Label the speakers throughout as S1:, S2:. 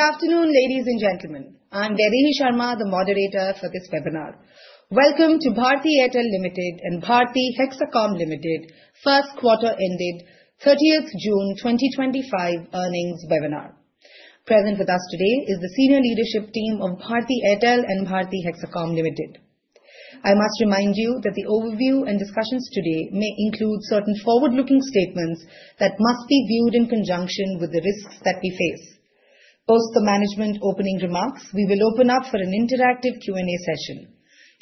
S1: Good afternoon ladies and gentlemen. I'm Vaidehi Sharma, the moderator for this webinar. Welcome to Bharti Airtel Limited and Bharti Hexacom Limited first quarter ended 30th June 2025 earnings webinar. Present with us today is the senior leadership team of Bharti Airtel and Bharti Hexacom Limited. I must remind you that the overview and discussions today may include certain forward-looking statements that must be viewed in conjunction with the risks that we face. Post the Management Opening Remarks, we will open up for an interactive Q&A session.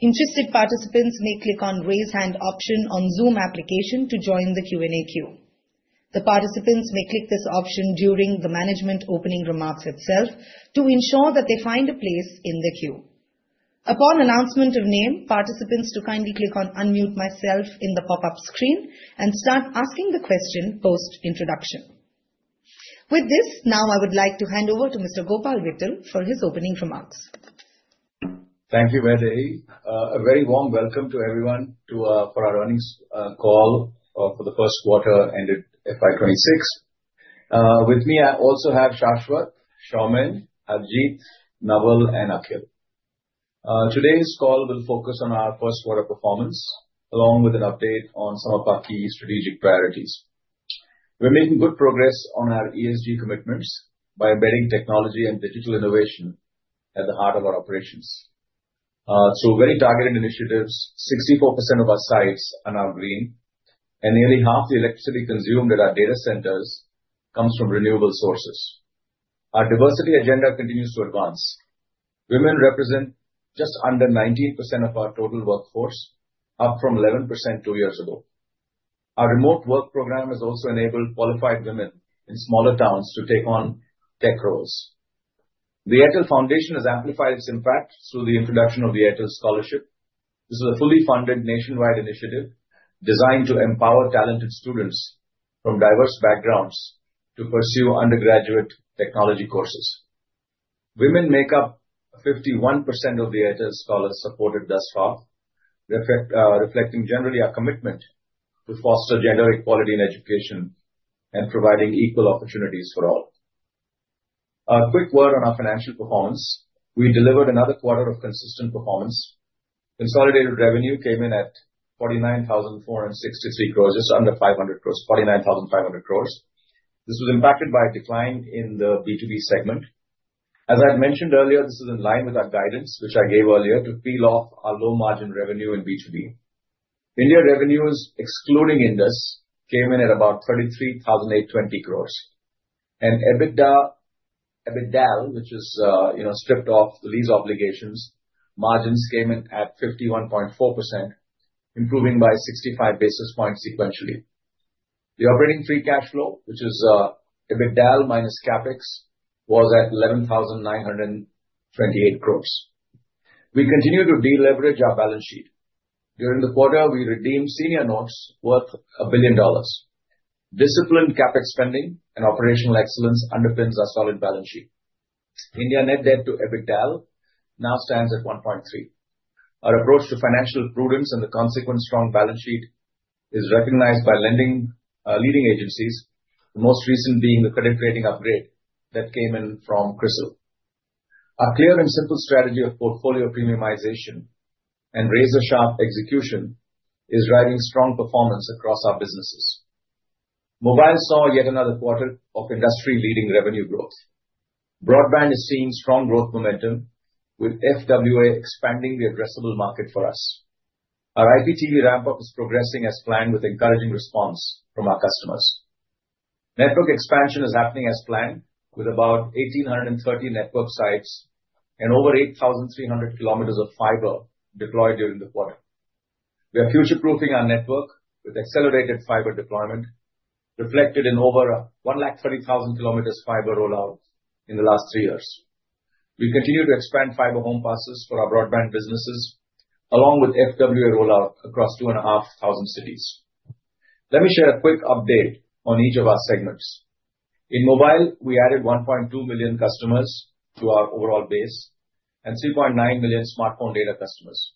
S1: Interested participants may click on the Raise Hand option on the Zoom application to join the Q&A queue. The participants may click this option during the Management Opening Remarks itself to ensure that they find a place in the queue. Upon announcement of name, participants are to kindly click on Unmute Myself in the pop-up screen and start asking the question post introduction. With this, now I would like to hand over to Mr. Gopal Vittal for his opening remarks.
S2: Thank you, Vaidehi. A very warm welcome to everyone for our earnings call for the first quarter ended FY 2026. With me, I also have Shashwat, Soumen, Harjeet, Naval, and Akhil. Today's call will focus on our first quarter performance along with an update on some of our key strategic priorities. We're making good progress on our ESG commitments by embedding technology and digital innovation at the heart of our operations. Very targeted initiatives. 64% of our sites are now green, and nearly half the electricity consumed in our data centers comes from renewable sources. Our diversity agenda continues to advance. Women represent just under 19% of our total workforce, up from 11% two years ago. Our remote work program has also enabled qualified women in smaller towns to take on tech roles. The Airtel Foundation has amplified its impact through the introduction of the Airtel Scholarship. This is a fully funded nationwide initiative designed to empower talented students from diverse backgrounds to pursue undergraduate technology courses. Women make up 51% of the scholars supported thus far, reflecting our commitment to foster gender equality in education and providing equal opportunities for all. A quick word on our financial performance. We delivered another quarter of consistent performance. Consolidated revenue came in at 49,463 Crores, just under 500 Crores shy of 49,500 Crores. This was impacted by a decline in the B2B segment as I had mentioned earlier. This is in line with our guidance which I gave earlier to peel off our low margin revenue in B2B. India revenues excluding Indus Towers came in at about 33,820 Crores, and EBITDAL, which is stripped off these obligations, margins came in at 51.4%, improving by 65 basis points sequentially. The operating free cash flow, which is EBITDAL minus CapEx, was at 11,928 Crores. We continue to deleverage our balance sheet. During the quarter, we redeemed senior notes worth $1 billion. Disciplined CapEx spending and operational excellence underpins our solid balance sheet. India net debt to EBITDAL now stands at 1.3. Our approach to financial prudence and the consequent strong balance sheet is recognized by leading agencies, the most recent being the credit rating upgrade that came in from Crisil. Our clear and simple strategy of portfolio premiumization and razor-sharp execution is driving strong performance across our businesses. Mobile saw yet another quarter of industry-leading revenue growth. Broadband is seeing strong growth momentum with FWA expanding the addressable market for us. Our IPTV ramp up is progressing as planned with encouraging response from our customers. Network expansion is happening as planned with about 1,830 network sites and over 8,300 km of fiber deployed during the quarter. We are future proofing our network with accelerated fiber deployment reflected in over 130,000 km fiber rollout in the last three years. We continue to expand fiber home passes for our broadband services along with FWA rollout across 2,500 cities. Let me share a quick update on each of our segments in mobile. We added 1.2 million customers to our overall base and 3.9 million smartphone data customers.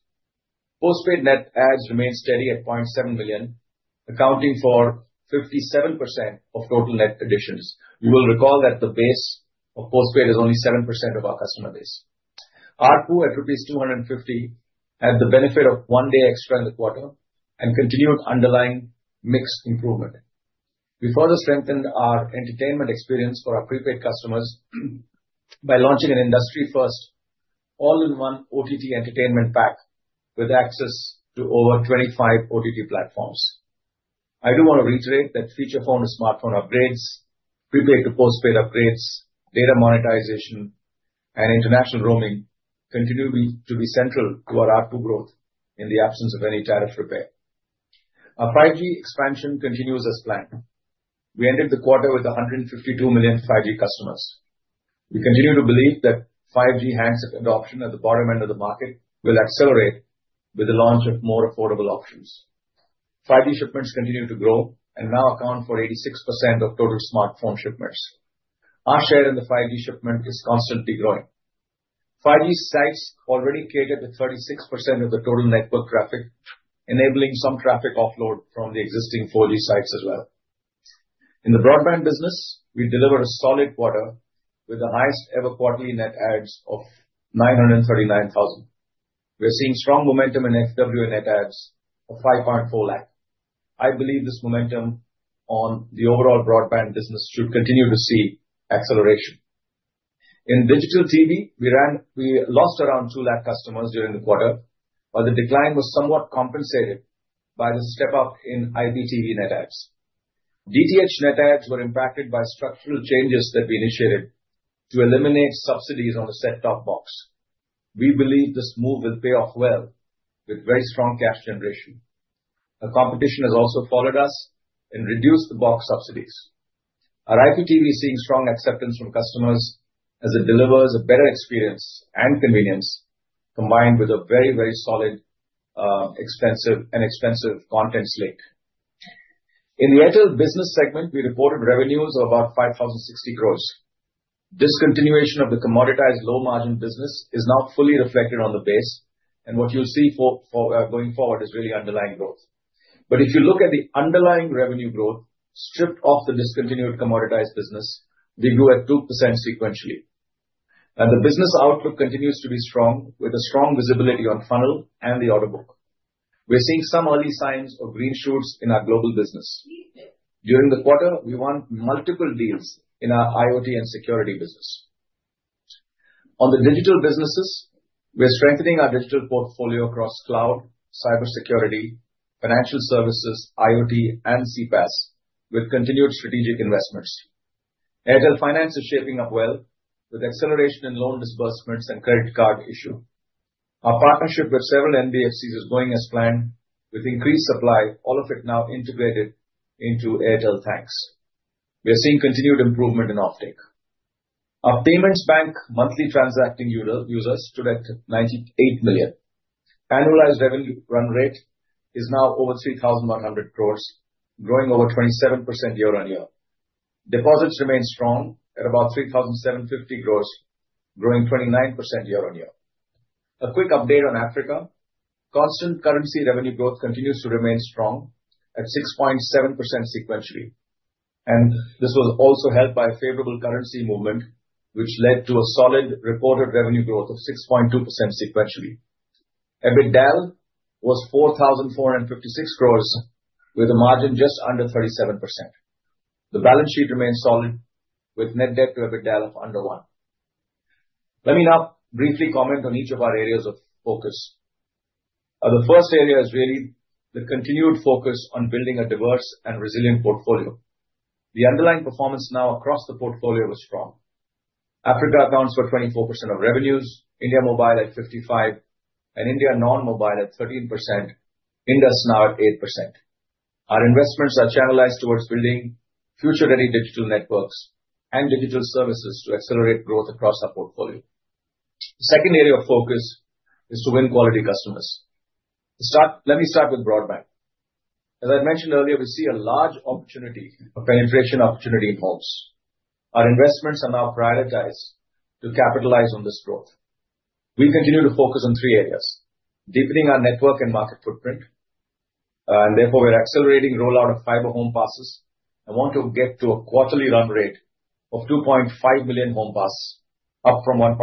S2: Postpaid net adds remain steady at 0.7 million, accounting for 57% of total net additions. You will recall that the base of postpaid is only 7% of our customer base. ARPU at rupees 250 had the benefit of one day extra in the quarter and continued underlying mix improvement. We further strengthened our entertainment experience for our prepaid customers by launching an industry first all in one OTT entertainment pack with access to over 25 OTT platforms. I do want to reiterate that feature phone to smartphone upgrades, prepaid to postpaid upgrades, data monetization, and international roaming continue to be central to our growth. In the absence of any tariff repair, our 5G expansion continues as planned. We ended the quarter with 152 million 5G customers. We continue to believe that 5G handset adoption at the bottom end of the market will accelerate with the launch of more affordable options. 5G shipments continue to grow and now account for 86% of total smartphone shipments. Our share in the 5G shipment is constantly growing. 5G sites already cater to 36% of the total network traffic, enabling some traffic offload from the existing 4G sites as well. In the broadband business we delivered, with the highest ever quarterly net adds of 939,000. We're seeing strong momentum in FWA net adds of 540,000. I believe this momentum on the overall broadband business should continue to see acceleration. In digital TV we lost around 200,000 customers during the quarter, but the decline was somewhat compensated by the step up in IPTV net adds. DTH net adds were impacted by structural changes that we initiated to eliminate subsidies on a set top box. We believe this move will pay off well with very strong cash generation. Our competition has also followed us and reduced the box subsidies. Our IPTV is seeing strong acceptance from customers as it delivers a better experience and convenience combined with a very, very solid and expensive content slate. In the Airtel business segment, we reported revenues of about 5,060 Crores. Discontinuation of the commoditized low margin business is not fully reflected on the base, and what you'll see going forward is really underlying growth. If you look at the underlying revenue growth stripped off the discontinued commoditized business, they grew at 2% sequentially, and the business outlook continues to be strong with strong visibility on funnel and the order book. We're seeing some early signs or green shoots in our global business. During the quarter, we won multiple deals in our IoT and security business. On the digital businesses, we're strengthening our digital portfolio across cloud, cybersecurity, financial services, IoT, and CPaaS. With continued strategic investments, Agile Finance is shaping up well with acceleration in loan disbursements and credit card issue. Our partnership with several NBFCs is going as planned with increased supply, all of it now integrated into Airtel. Thanks. We are seeing continued improvement in offtake. Our Payments Bank monthly transacting users stood at 98 million. Annualized revenue run rate is now over 3,100 Crores, growing over 27% year-on-year. Deposits remain strong at about 3,750 Crores, growing 29% year-on-year. A quick update on Africa – constant currency revenue growth continues to remain strong at 6.7% sequentially, and this was also helped by favorable currency movement, which led to a solid reported revenue growth of 6.2% sequentially. EBITDAL was 4,456 Crores with a margin just under 37%. The balance sheet remains solid with net debt to EBITDAL of under 1. Let me now briefly comment on each of our areas of focus. The first area is really the continued focus on building a diverse and resilient portfolio. The underlying performance now across the portfolio was strong. Africa accounts for 24% of revenues, India mobile at 55%, and India non-mobile at 13%. Indus now at 8%. Our investments are channelized towards building future-ready digital networks and digital services to accelerate growth across our portfolio. The second area of focus is to win quality customers. Let me start with broadband. As I mentioned earlier, we see a large opportunity, a penetration opportunity in homes. Our investments are now prioritized to capitalize on this growth. We continue to focus on three areas: deepening our network and market footprint, and therefore we're accelerating rollout of fiber home passes and want to get to a quarterly run rate of 2.5 billion. Home pass up from 1.6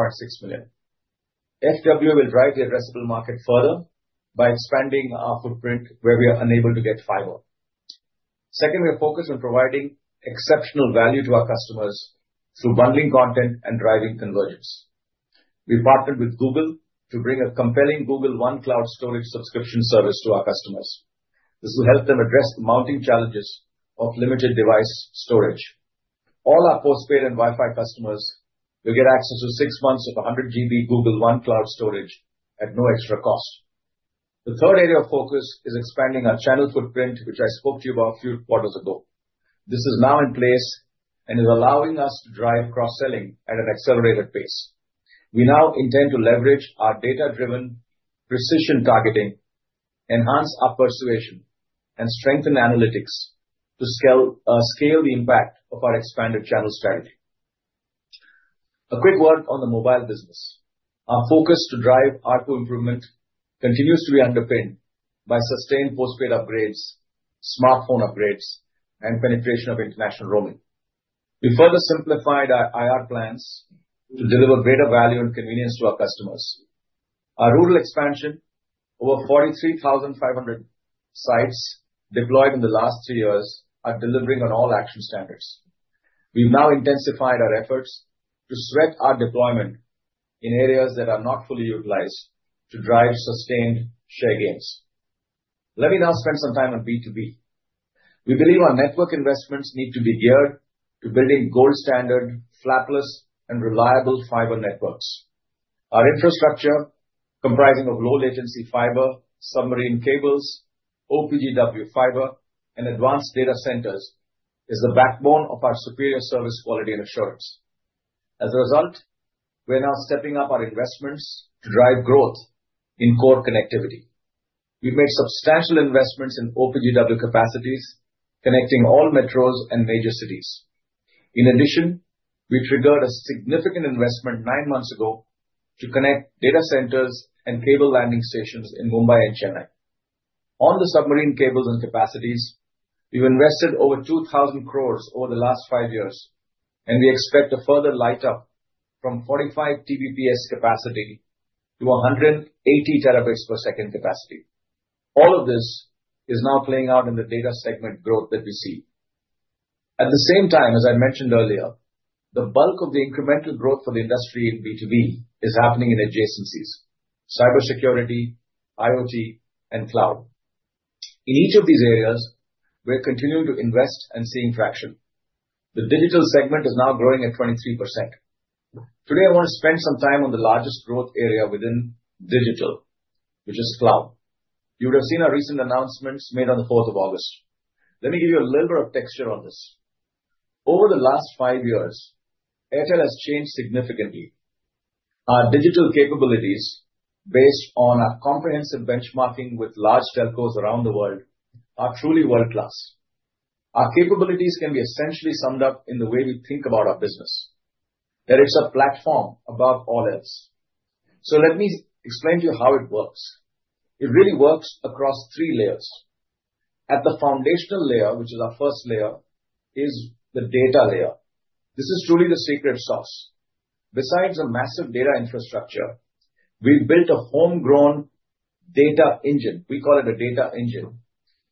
S2: million, this will drive the addressable market further by expanding our footprint where we are unable to get fiber. Second, we are focused on providing exceptional value to our customers through bundling content and driving conversions. We partnered with Google to bring a compelling Google One cloud storage subscription service to our customers. This will help them address the mounting challenges of limited device storage. All our postpaid and Wi-Fi customers will get access to 6 months of 100GB Google One Cloud Storage at no extra cost. The third area of focus is expanding our channel footprint, which I spoke to you about a few quarters ago. This is now in place and is allowing us to drive cross-selling at an accelerated pace. We now intend to leverage our data-driven precision targeting, enhance our persuasion, and strengthen analytics to scale the impact of our expanded channel strategy. A quick word on the mobile services business. Our focus to drive ARPU improvement continues to be underpinned by sustained postpaid upgrades, smartphone upgrades, and penetration of international roaming. We further simplified our IR plans to deliver greater value and convenience to our customers. Our rural expansion, over 43,500 sites deployed in the last three years, is delivering on all action standards. We've now intensified our efforts to sweat our deployment in areas that are not fully utilized to drive sustained share gains. Let me now spend some time on B2B. We believe our network investments need to be geared to building gold standard, flapless, and reliable fiber networks. Our infrastructure comprising of low latency fiber, submarine cables, OPGW fiber, and advanced data centers is the backbone of our superior service, quality, and assurance. As a result, we're now stepping up our investments to drive growth in core connectivity. We've made substantial investments in OPGW capacities connecting all metros and major cities. In addition, we triggered a significant investment nine months ago to connect data centers and cable landing stations in Mumbai and Chennai on the submarine cables and capacities. We've invested over 2,000 Crores over the last five years, and we expect a further light up from 45 Tbps capacity to 180 terabytes per second capacity. All of this is now playing out in the data segment growth that we see at the same time. As I mentioned earlier, the bulk of the incremental growth for the industry in B2B is happening in adjacencies, cybersecurity, IoT, and cloud. In each of these areas, we're continuing to invest and seeing traction. The digital segment is now growing at 23%. Today I want to spend some time on the largest growth area within digital, which is cloud. You would have seen our recent announcements made on the 4th of August. Let me give you a little bit of texture on this. Over the last five years, Airtel has changed significantly. Our digital capabilities, based on a comprehensive benchmarking with large telcos around the world, are truly world class. Our capabilities can be essentially summed up in the way we think about our business, that it's a platform above all else. Let me explain to you how it works. It really works across three layers. At the foundational layer, which is our first layer, is the data layer. This is truly the secret sauce. Besides a massive data infrastructure, we've built a homegrown data engine. We call it a data engine,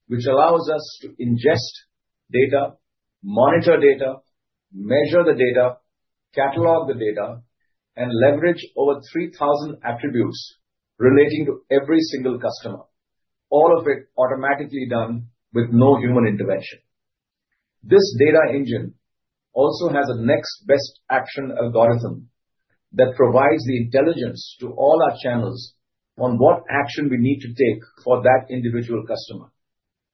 S2: which allows us to ingest data, monitor data, measure the data, catalog the data, and leverage over 3,000 attributes relating to every single customer. All of it automatically done with no human intervention. This data engine also has a next best action algorithm that provides the intelligence to all our channels on what action we need to take for that individual customer,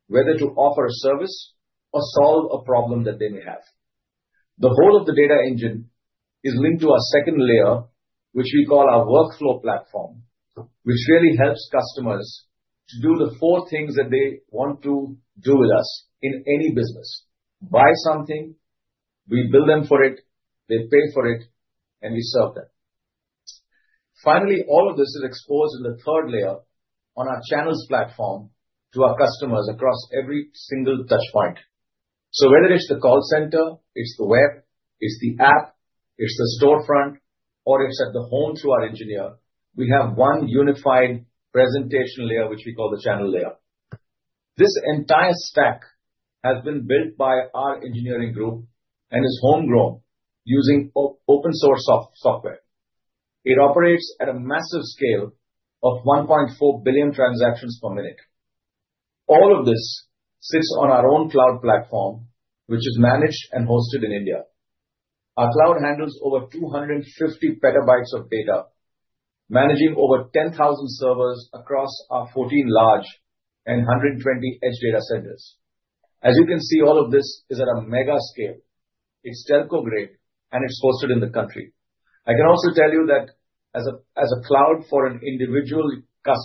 S2: whether to offer a service or solve a problem that they may have. The whole of the data engine is linked to our second layer, which we call our workflow platform, which really helps customers to do the four things that they want to do with us in any business: buy something, we bill them for it, they pay for it, and we serve them. Finally, all of this is exposed in the third layer on our Channels platform to our customers across every single touch point. Whether it's the call center, it's the web, it's the app, it's the storefront, or it's at the home, through our engineer we have one unified presentation layer which we call the Channel layer. This entire stack has been built by our engineering group and is homegrown using open source software. It operates at a massive scale of 1.4 billion transactions per minute. All of this sits on our own cloud platform which is managed and hosted in India. Our cloud handles over 250 petabytes of data, managing over 10,000 servers across our 14 large and 120 edge data centers. As you can see, all of this is at a mega scale. It's telco grade and it's hosted in the country. I can also tell you that as a cloud for an individual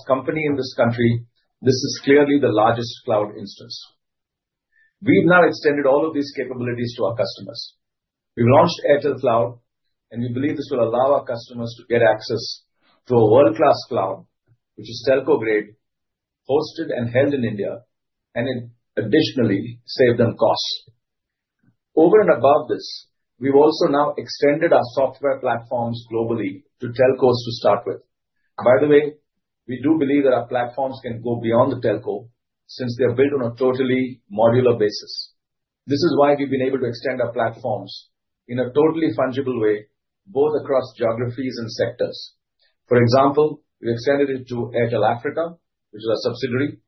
S2: company in this country, this is clearly the largest cloud instance. We've now extended all of these capabilities to our customers. We launched Airtel Cloud and we believe this will allow our customers to get access to a world-class cloud which is telco grade, hosted and held in India, and additionally save them costs. Over and above this, we've also now extended our software platforms globally to telcos to start with. By the way, we do believe that our platforms can go beyond the telco since they're built on a totally modular basis. This is why we've been able to extend our platforms in a totally fungible way both across geographies and sectors. For example, we extended it to Airtel Africa which is a subsidiary.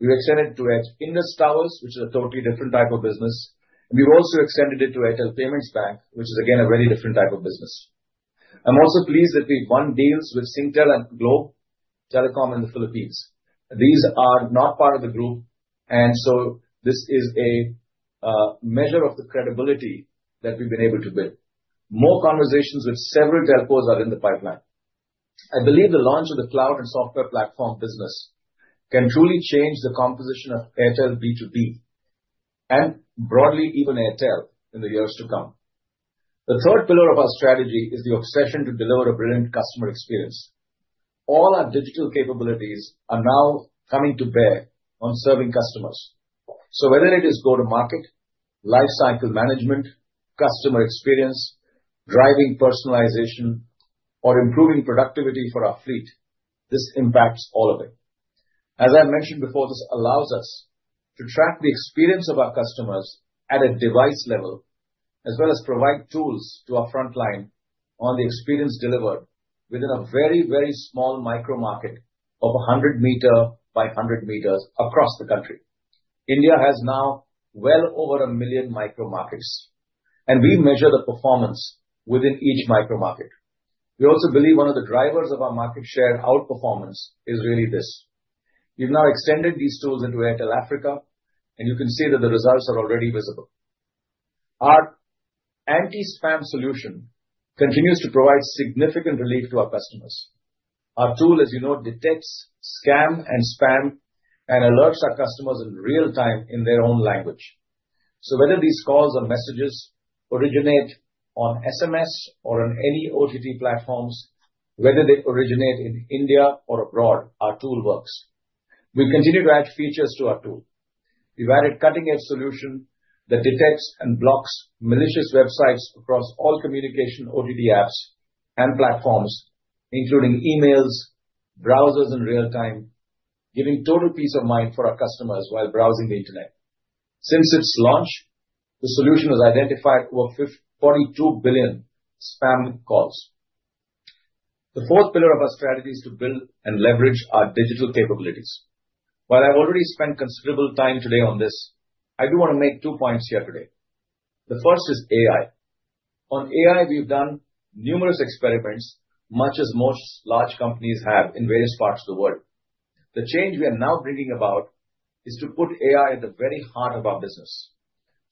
S2: We extended to Indus Towers which is a totally different type of business. We've also extended it to Airtel Payments Bank which is again a very different type of business. I'm also pleased that we won deals with Singtel and Globe Telecom in the Philippines. These are not part of the group and this is a measure of the credibility that we've been able to build. More conversations with several telcos are in the pipeline. I believe the launch of the cloud and software platform business can truly change the composition of Airtel B2B and broadly even Airtel in the years to come. The third pillar of our strategy is the obsession to deliver a brilliant customer experience. All our digital capabilities are now coming to bear on serving customers. Whether it is go-to-market lifecycle management, customer experience, driving personalization, or improving productivity for our fleet, this impacts all of it. As I mentioned before, this allows us to track the experience of our customers at a device level as well as provide tools to our frontline on the experience delivered within a very, very small micro market of 100 meter by 100 meters across the country. India has now well over a million micro markets and we measure the performance within each micro market. We also believe one of the drivers of our market share outperformance is really this. We've now extended these tools into Airtel Africa, and you can see that the results are already visible. Our Anki spam solution continues to provide significant relief to our customers. Our tool, as you know, detects scam and spam and alerts our customers in real time in their own language. Whether these calls or messages originate on SMS or on any OTT platforms, whether they originate in India or abroad, our tool works. We continue to add features to our tool. We've added a cutting-edge solution that detects and blocks malicious websites across all communication, OTT apps and platforms, including emails and browsers, in real time, giving total peace of mind for our customers while browsing the Internet. Since its launch, the solution has identified over 42 billion spam calls. The fourth pillar of our strategy is to build and leverage our digital capabilities. While I've already spent considerable time today on this, I do want to make two points here today. The first is AI. On AI, we've done numerous experiments, much as most large companies have in various parts of the world. The change we are now bringing about is to put AI at the very heart of our business.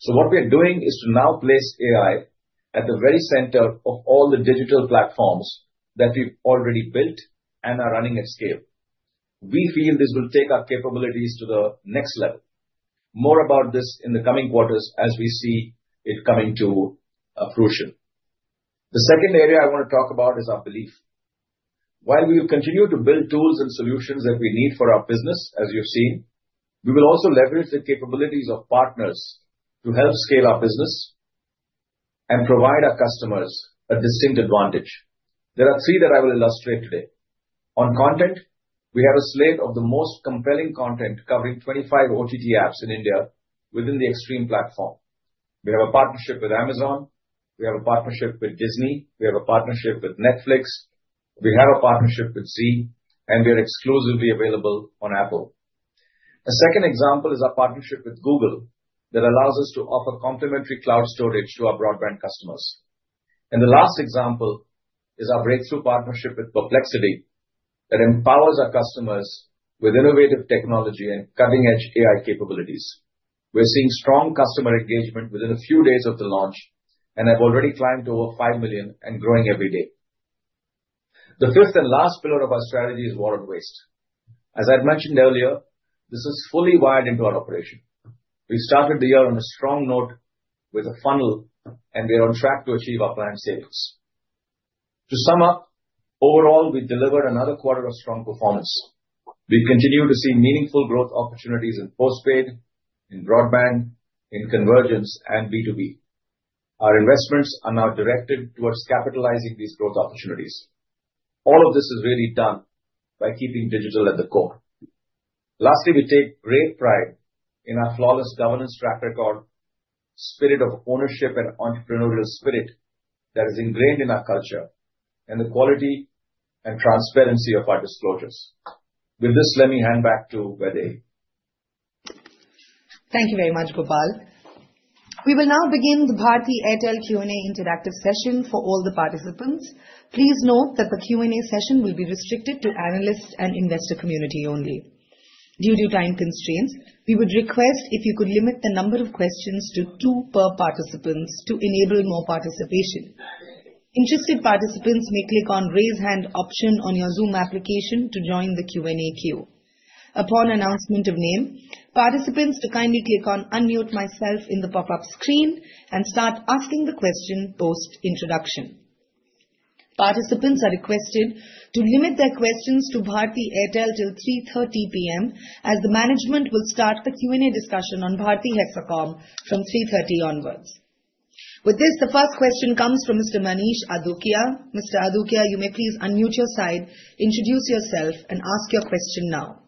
S2: What we're doing is to now place AI at the very center of all the digital platforms that we've already built and are running at scale. We feel this will take our capabilities to the next level. More about this in the coming quarters as we see it coming to fruition. The second area I want to talk about is our belief. While we will continue to build tools and solutions that we need for our business, as you've seen, we will also leverage the capabilities of partners to help scale our business and provide our customers a distinct advantage. There are three that I will illustrate today. On content, we have a slate of the most compelling content covering 25 OTT apps in India. Within the Extreme platform, we have a partnership with Amazon, we have a partnership with Disney, we have a partnership with Netflix, we have a partnership with Zee, and we are exclusively available on Apple. A second example is our partnership with Google that allows us to offer complementary cloud storage to our broadband customers. The last example is our breakthrough partnership with Perplexity that empowers our customers with innovative technology and cutting-edge AI capabilities. We're seeing strong customer engagement within a few days of the launch and have already climbed over 5 million and growing every day. The fifth and last pillar of our strategy is water waste. As I mentioned earlier, this is fully wired into our operation. We started the year on a strong note with a funnel, and we are on track to achieve our client sales. To sum up, overall we delivered another quarter of strong performance. We continue to see meaningful growth opportunities in postpaid, in broadband, in convergence, and B2B. Our investments are now directed towards capitalizing these growth opportunities. All of this is really done by keeping digital at the core. Lastly, we take great pride in our flawless governance track record, spirit of ownership and entrepreneurial spirit that is ingrained in our culture, and the quality and transparency of our disclosures. With this, let me hand back to Vaidehi.Thank you very much, Gopal. We will now begin the Bharti Airtel Q&A interactive session for all the participants. Please note that the Q&A session will be restricted to analysts and investor community only due to time constraints. We would request if you could limit the number of questions to two per participant to enable more participation. Interested participants may click on the Raise Hand option on your Zoom application to join the Q&A queue. Upon announcement of name, participants are to kindly click on Unmute Myself in the pop-up screen and start asking the question post introduction. Participants are requested to limit their questions to Bharti Airtel till 3:30 P.M. as the management will start the Q&A discussion on Bharti Hexacom from 3:30 onwards. With this, the first question comes from Mr. Manish Adukia. Mr. Adukia, you may please unmute your side, introduce yourself, and ask your question now.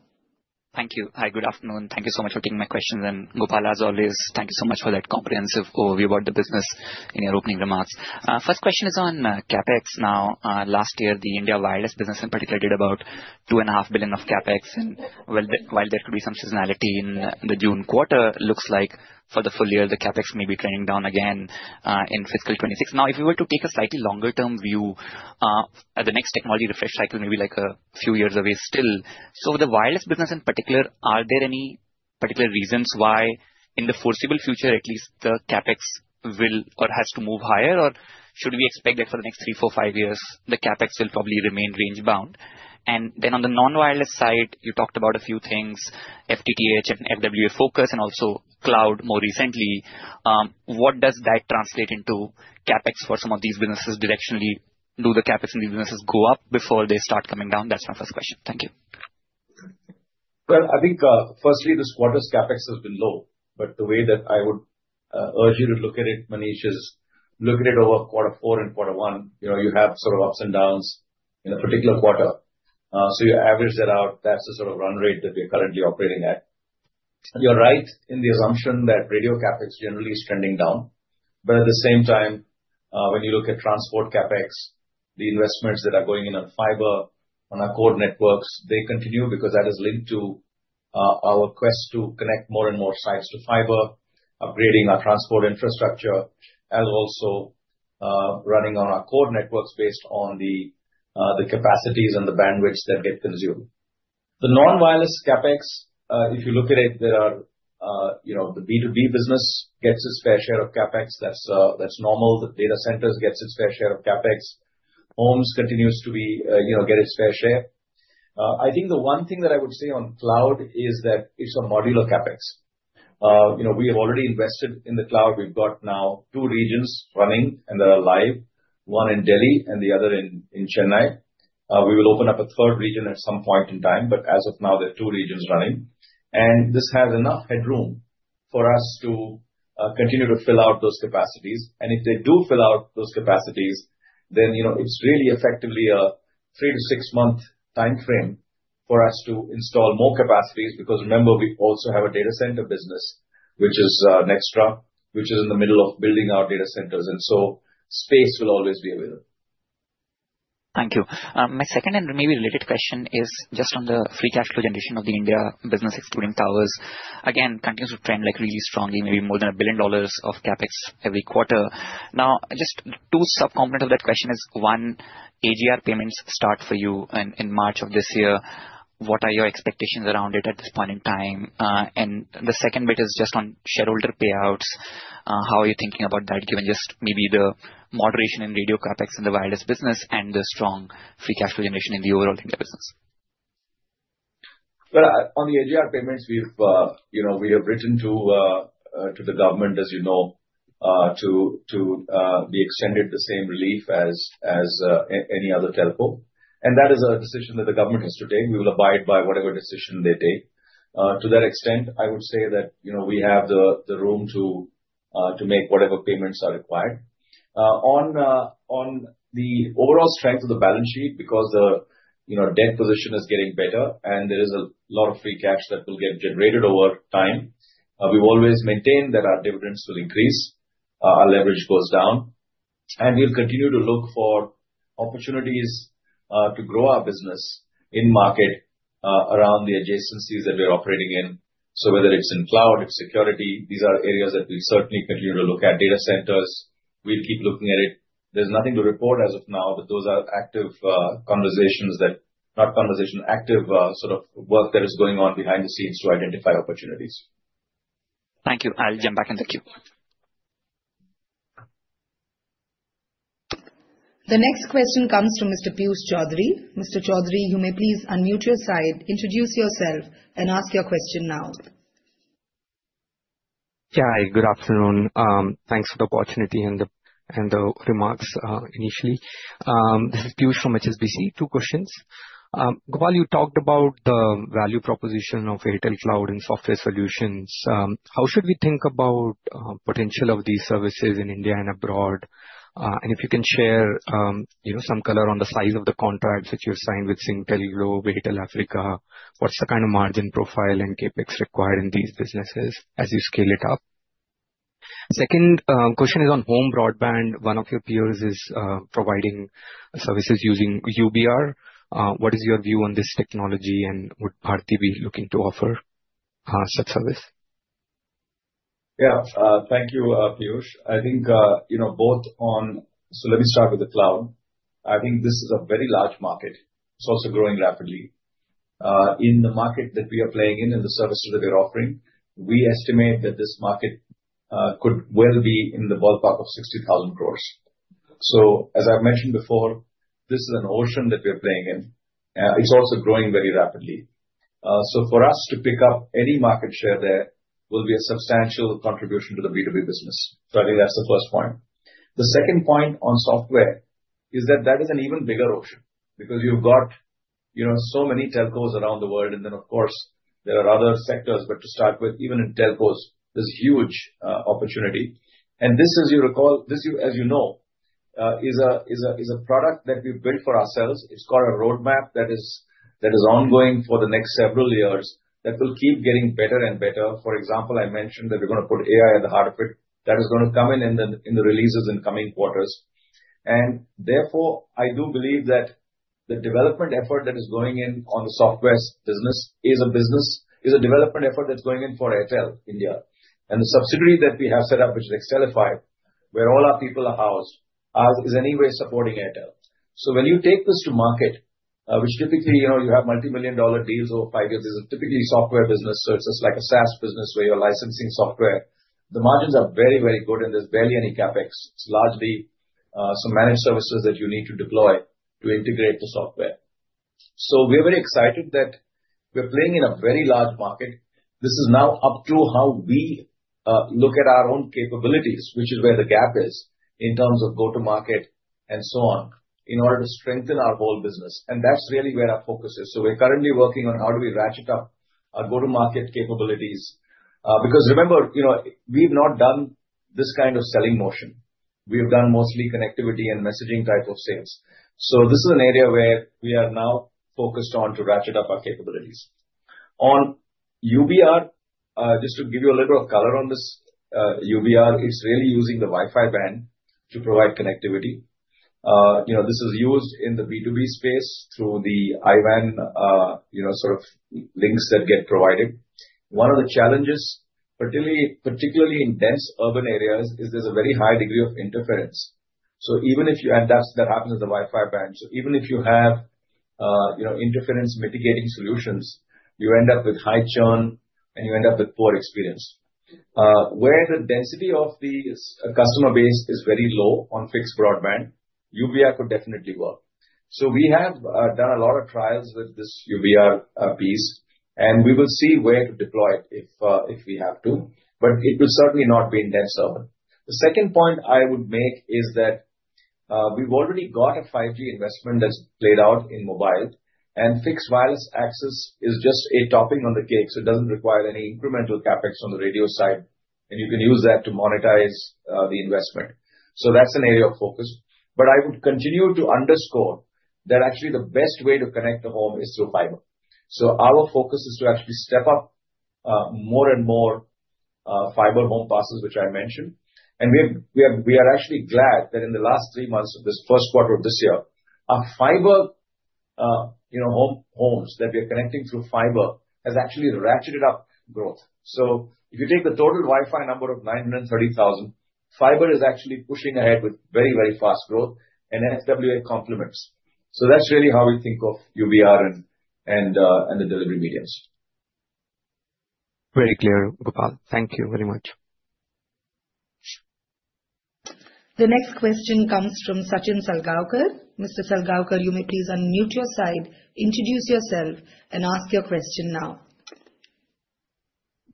S3: Thank you. Hi, good afternoon. Thank you so much for taking my questions. Gopal, as always, thank you so much for that comprehensive overview about the business in your opening remarks. First question is on CapEx. Last year the India wireless business in particular did about $2.5 billion of CapEx, and while there could be some seasonality in the June quarter, it looks like for the full year the CapEx may be trending down again in fiscal 2026. If you were to take a slightly longer-term view, the next technology refresh cycle may be a few years away still. The wireless business in particular, are there any particular reasons why in the foreseeable future at least, the CapEx will or has to move higher? Should we expect that for the next 3, 4, 5 years the CapEx will probably remain range bound, and then on the non-wireless side you talked about a few things, FTTH and FWA focus, and also cloud more recently. What does that translate into CapEx for some of these businesses directionally. Do the CapEx in these businesses go up before they start coming down? That's my first question.
S2: Thank you. I think firstly this quarter's CapEx has been low. The way that I would urge you to look at it, Manish, is look at it over quarter four and quarter one. You have sort of ups and downs in a particular quarter, so you average that out. That's the sort of run rate that you're currently operating at. You're right in the assumption that radio CapEx generally is trending down. At the same time, when you look at transport CapEx, the investments that are going in on fiber on our core networks, they continue because that is linked to our quest to connect more and more sites to fiber, upgrading our transport infrastructure, and also running on our core networks based on the capacities and the bandwidth that they consume. The non-wireless CapEx, if you look at it, the B2B business gets its fair share of CapEx. That's normal. The data centers get their fair share of CapEx. Homes continues to get its fair share. I think the one thing that I would say on cloud is that it's on modular CapEx. We have already invested in the cloud. We've got now two regions running and they're live, one in Delhi and the other in Chennai. We will open up a third region at some point in time, but as of now there are two regions running and this has enough headroom for us to continue to fill out those capacities. If they do fill out those capacities, then it's really effectively a three to six month time frame for us to install more capacities. Remember, we also have a data center business, which is Nextra, which is in the middle of building our data centers, and so space will always be available.
S3: Thank you. My second and maybe related question is just on the free cash presentation of the India business excluding towers. Again, continues to trend like really strongly, maybe more than $1 billion of CapEx every quarter. Now just two subcomponents of that question. One, AGR payments start for you in March of this year. What are your expectations around it at this point in time? The second bit is just on shareholder payouts. How are you thinking about that given just maybe the moderation in radio CapEx in the wireless business and the strong free cash flow generation in the overall India business?
S2: On the AGR payments, we have written to the government, as you know, to be extended the same relief as any other telco, and that is a decision that the government has to take. We will abide by whatever decision they take to that extent. I would say that we have the room to make whatever payments are required on the overall strength of the balance sheet because the debt position is getting better, and there is a lot of free cash that will get generated over time. We've always maintained that our dividends will increase, our leverage goes down, and we'll continue to look for opportunities to grow our business in market around the adjacencies that we're operating in. Whether it's in cloud or security, these are areas that we certainly continue to look at. Data centers, we'll keep looking at it. There's nothing to report as of now, but those are active conversations, not conversation, active sort of work that is going on behind the scenes to identify opportunities.
S3: Thank you. I'll jump back in the queue.
S1: The next question comes from Mr. Piyush Choudhary. Mr. Choudhary, you may please unmute your side, introduce yourself, and ask your question now.
S4: Good afternoon. Thanks for the opportunity and the remarks initially. This is Piyush from HSBC. Two questions. Gopal, you talked about the value proposition of Airtel Cloud and software solutions. How should we think about potential of these services in India and abroad? If you can share some color on the size of the contracts that you signed with Singtel, Globe Telecom, what's the kind of margin profile and CapEx required in these businesses as you scale it up? Second question is on home broadband. One of your peers is providing services using FWA. What is your view on this technology and would Bharti be looking to offer such service?
S2: Yeah. Thank you, Piyush. I think, you know, both on. Let me start with the cloud. I think this is a very large market. It's also growing rapidly in the market that we are playing in and the services that we're offering. We estimate that this market could well be in the ballpark of 60,000 Crores. As I mentioned before, this is an ocean that we're playing in. It's also growing very rapidly. For us to pick up any market share, there will be a substantial contribution to the B2B business. I think that's the first point. The second point on software is that that is an even bigger ocean because you've got, you know, so many telcos around the world and then of course there are other sectors. To start with, even in telcos is huge opportunity. This, as you recall, this, as you know, is a product that we built for ourselves. It's got a roadmap that is ongoing for the next several years that will keep getting better and better. For example, I mentioned that we're going to put AI at the heart of it. That is going to come in the releases in coming quarters and therefore I do believe that the development effort that is going in on the software business is a development effort that's going in for Airtel India. The subsidiary that we have set up, which is Excelify, where all our people are housed, is anyway supporting Airtel. When you take this to market, which typically, you know, you have multimillion dollar deals over five years, there's a typically software business. It's just like a SaaS business where you're licensing software. The margins are very, very good and there's barely any CapEx. It's largely some managed services that you need to deploy to integrate the software. We're very excited that we're playing in a very large market. This is now up to how we look at our own capabilities, which is where the gap is in terms of go to market and so on in order to strengthen our whole business. That's really where our focus is. We're currently working on how do we ratchet out our go to market capabilities because remember we've not done this kind of selling motion. We've done mostly connectivity and messaging type of sales. This is an area where we are now focused on to ratchet up our capabilities. On UBR, just to give you a little color on this, UBR is really using the Wi-Fi band to provide connectivity. This is used in the B2B space through the, you know, sort of links that get provided. One of the challenges, particularly in dense urban areas, is there's a very high degree of interference. Even if you have interference mitigating solutions, you end up with high churn and you end up with poor experience where the density of the customer base is very low. On fixed broadband, UVR could definitely work. We have done a lot of trials with this UVR piece and we will see where to deploy it if we have to, but it will certainly not be in dense server. The second point I would make is that we've already got a 5G investment that's played out in mobile and fixed wireless access is just a topping on the cake. It doesn't require any incremental CapEx on the radio side and you can use that to monetize the investment. That's an area of focus. I would continue to underscore that actually the best way to connect the home is through fiber. Our focus is to actually step up more and more fiber home parcels, which I mentioned. We are actually glad that in the last three months of this first quarter of this year, our fiber homes that we are connecting through fiber has actually ratcheted up growth. If you take the total Wi-Fi number of 930,000, fiber is actually pushing ahead with very, very fast growth and NSWA compliments. That's really how we think of UVR and the delivery medias.
S4: Very clear, Gopal. Thank you very much.
S1: The next question comes from Sachin Salgaonkar. Mr. Salgaonkar, you may please unmute your side, introduce yourself, and ask your question now.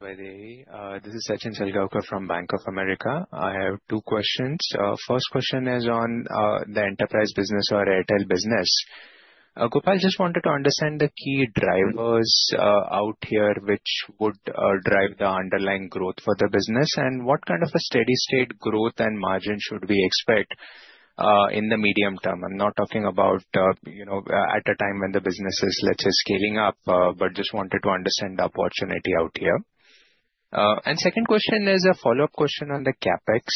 S5: This is Sachin Salgaonkar from Bank of America. I have two questions. First question is on the enterprise business or Airtel business. Gopal, just wanted to understand the key drivers out here which would drive the underlying growth for the business and what kind of a steady state growth and margin should we expect in the medium term. I'm not talking about, you know, at a time when the business is, let's say, scaling up, just wanted to understand opportunity out here. Second question is a follow up question on the CapEx.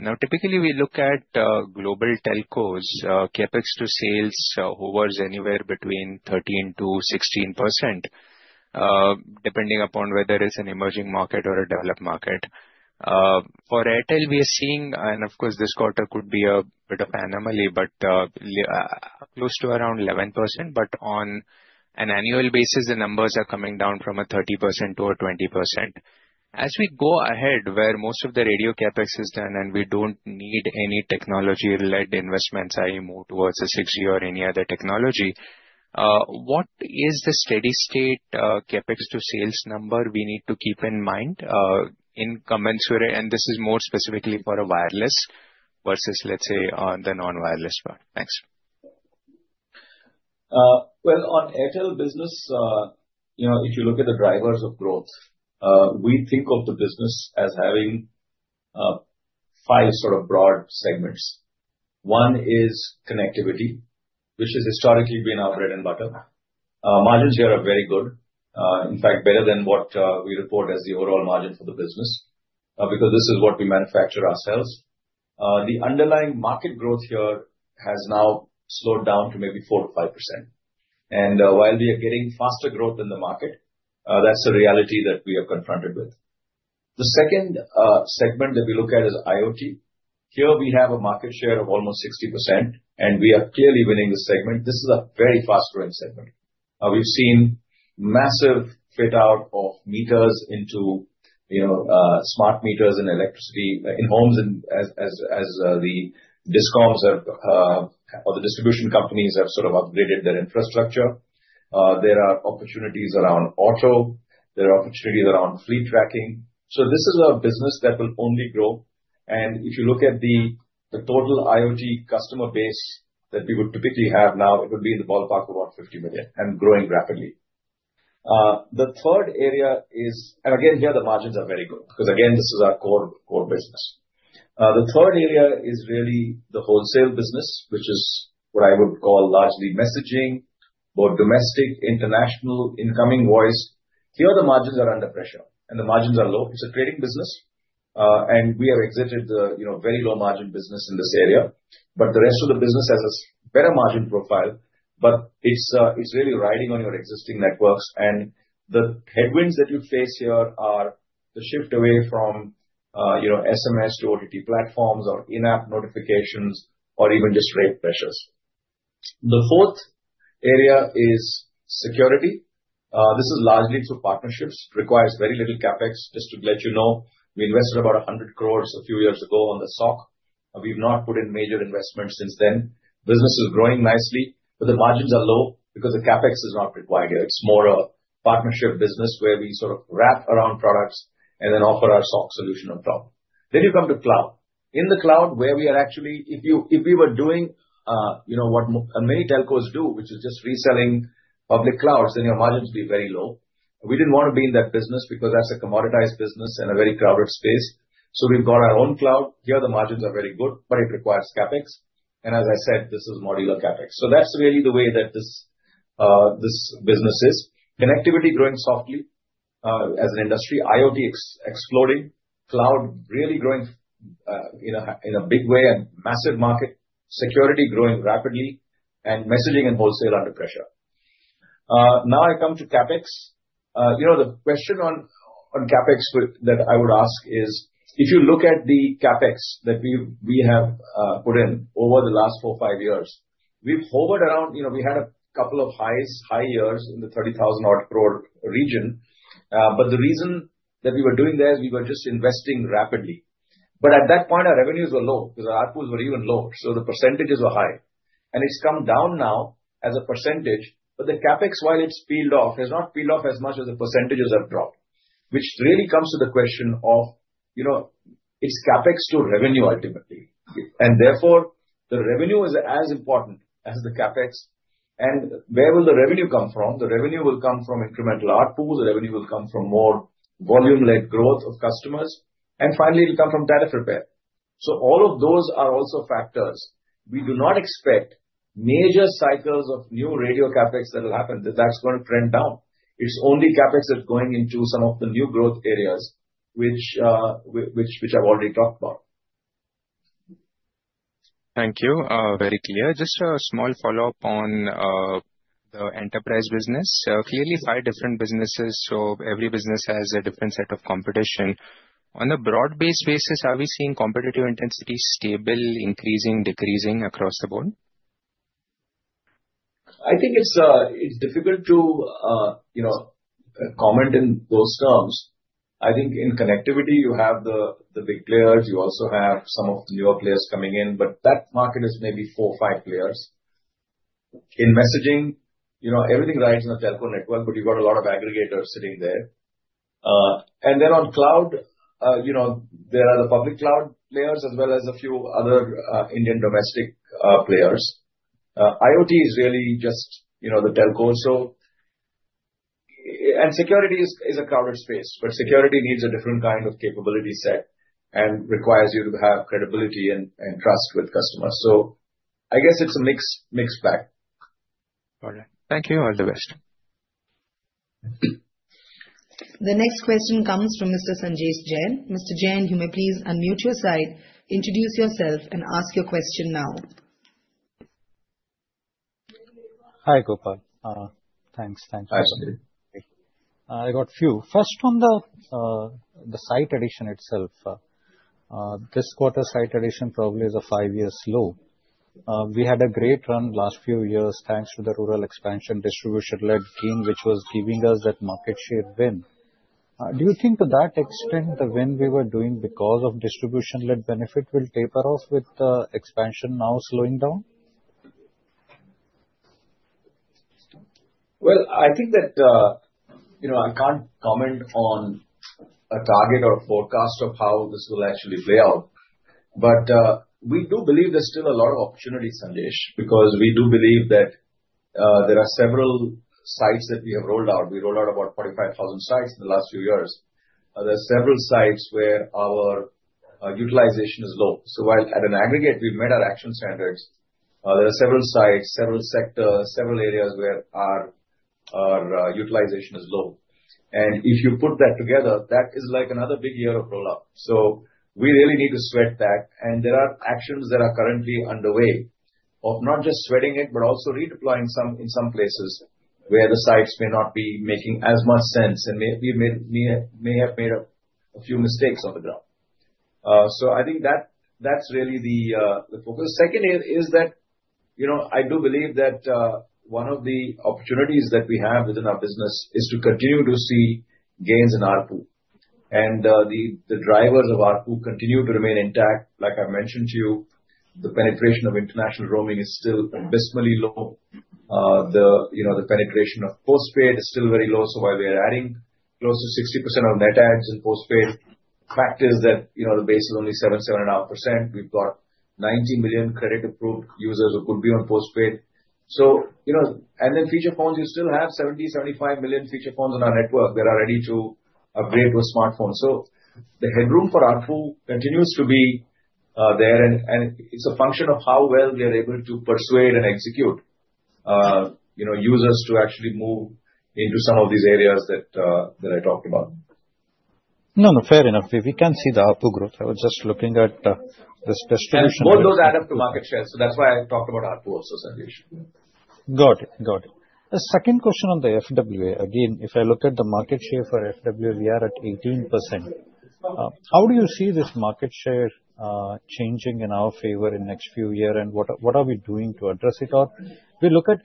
S5: Now, typically we look at global telcos CapEx to sales hovers anywhere between 13%-16% depending upon whether it's an emerging market or a developed market. For Airtel, we are seeing, and of course this quarter could be a bit of anomaly, but close to around 11%. On an annual basis, the numbers are coming down from 30%-20% as we go ahead where most of the radio CapEx is done and we don't need any technology led investments. If I move towards a 6G or any other technology, what is the steady state CapEx to sales number we need to keep in mind in commensurate, and this is more specifically for a wireless versus, let's say, the non wireless one. Thanks.
S2: On Airtel business, if you look at the drivers of growth, we think of the business as having five sort of broad segments. One is connectivity, which has historically been our bread and butter. Margins here are very good, in fact better than what we report as the overall margin for the business because this is what we manufacture ourselves. The underlying market growth here has now slowed down to maybe 4% or 5%, and while we are getting faster growth in the market, that's the reality that we have confronted with. The second segment that we look at is IoT. Here we have a market share of almost 60%, and we are clearly winning the segment. This is a very fast-growing segment. We've seen massive fit out of meters into smart meters and electricity in homes, and as the discoms, or the distribution companies, have sort of upgraded their infrastructure. There are opportunities around auto, there are opportunities around fleet tracking. This is a business that will only grow. If you look at the total IoT customer base that we would typically have now, it would be in the ballpark of about 50 million and growing rapidly. The third area is, and again here the margins are very good because again this is our core business. The third area is really the wholesale business, which is what I would call largely messaging, both domestic, international, incoming, voice. Here the margins are under pressure and the margins are low. It's a trading business and we have exited the very low margin business in this area. The rest of the business has a better margin profile. It's really riding on your existing networks and the headwinds that you face here are the shift away from SMS to OTT platforms or in-app notifications or even just rate pressures. The fourth area is security. This is largely through partnerships. It requires very little CapEx. Just to let you know, we invested about 100 Crores a few years ago on the SOC. We've not put in major investments since then. Business is growing nicely, but the margins are low because the CapEx is not required here. It's more a partnership business where we sort of wrap around products and then offer our SOC solution on top. You come to cloud. In the cloud, if we were doing what many telcos do, which is just reselling public clouds, then your margins would be very low. We didn't want to be in that business because that's a commoditized business and a very crowded space. We've got our own cloud here. The margins are very good, but it requires CapEx and, as I said, this is modular CapEx. That's really the way that this business is. Connectivity growing softly as an industry, IoT exploding, cloud really growing in a big way and massive market, security growing rapidly, and messaging and wholesale under pressure. Now I come to CapEx. The question on CapEx that I would ask is, if you look at the CapEx that we have put in over the last four, five years, we've hovered around, we had a couple of high years in the 30,000 odd Crores region. The reason that we were doing that, we were just investing rapidly. At that point, our revenues were low because our ARPUs were even lower. The percentages are high and it's come down now as a percentage. The CapEx, while it's peeled off, has not peeled off as much as the percentages have dropped. This really comes to the question of CapEx to revenue ultimately, and therefore the revenue is as important as the CapEx. Where does the revenue come from? The revenue will come from incremental ARPUs. The revenue will come from more volume-led growth of customers, and finally it'll come from tariff repair. All of those are also factors. We do not expect major cycles of new radio CapEx that will happen, that's going to trend down. It's only CapEx that's going into some of the new growth areas which I've already talked about.
S5: Thank you. Very clear. Just a small follow-up on the enterprise business. Clearly five different businesses. Every business has a different set of competition on a broad-based basis. Are we seeing competitive intensity stable, increasing, or decreasing across the board?
S2: I think it's difficult to comment in those terms. I think in connectivity you have the big players, you also have some of the newer players coming in, but that market is maybe four or five players. In messaging, everything rides in the telco network, but you've got a lot of aggregators sitting there, and then on cloud, you know there are the public cloud players as well few other Indian domestic players. IoT is really just, you know, the telco, and security is a crowded space, but security needs a different kind of capability set and requires you to have credibility and trust with customers. I guess it's a mixed bag.
S5: All right, thank you. All the best.
S1: The next question comes from Mr. Sanjesh Jain. Mr. Jain, you may please unmute your side, introduce yourself, and ask your question now.
S6: Hi Gopal. Thanks, thanks. I got few first on the site addition itself this quarter. Site addition probably is a five-year slow. We had a great run last few years, thanks to the rural expansion distribution-led scheme, which was giving us that market share win. Do you think to that extent, when we were doing because of distribution-led benefit, will taper off with the expansion now slowing down?
S2: I think that you know I can't comment on a target or forecast of how this will actually play out, but we do believe there's still a lot of opportunity, Sandesh, because we do believe that there are several sites that we have rolled out. We rolled out about 45,000 sites in the last few years. There are several sites where our utilization is low. While at an aggregate we met our action standards, there are several sites, several sectors, several areas where our utilization is low. If you put that together, that is like another big year of rollout. We really need to sweat that. There are actions that are currently underway, not just sweating it, but also redeploying in some places where the sites may not be making as much sense and we may have made a few mistakes off the ground. I think that's really the focus. Second is that I do believe that one of the opportunities that we have within our business is to continue to see gains in ARPU and the drivers of ARPU continue to remain intact. Like I mentioned to you, the penetration of international roaming is still abysmally low. The penetration of postpaid is still very low. While we are adding close to 60% of net adds in postpaid, the fact is that the base is only 7, 7.5%. We've got 90 million credit approved users who could be on postpaid. You know, and then feature phones, you still have 70, 75 million feature phones on our network that are ready to upgrade to smartphones. The headroom for ARPU continues to be there, and it's a function of how well we are able to persuade and execute users to actually move into some of these areas that I talked about.
S6: No, fair enough. We can see the ARPU growth. I was just looking at this distribution.
S2: Both those add up to market share. That is why I talked about ARPU also Sanjesh
S6: Got it. Got it. The second question on the FWA, again, if I look at the market share for FWA, we are at 18%. How do you see this market share changing in our favor in next few years and what are we doing to address it? We look at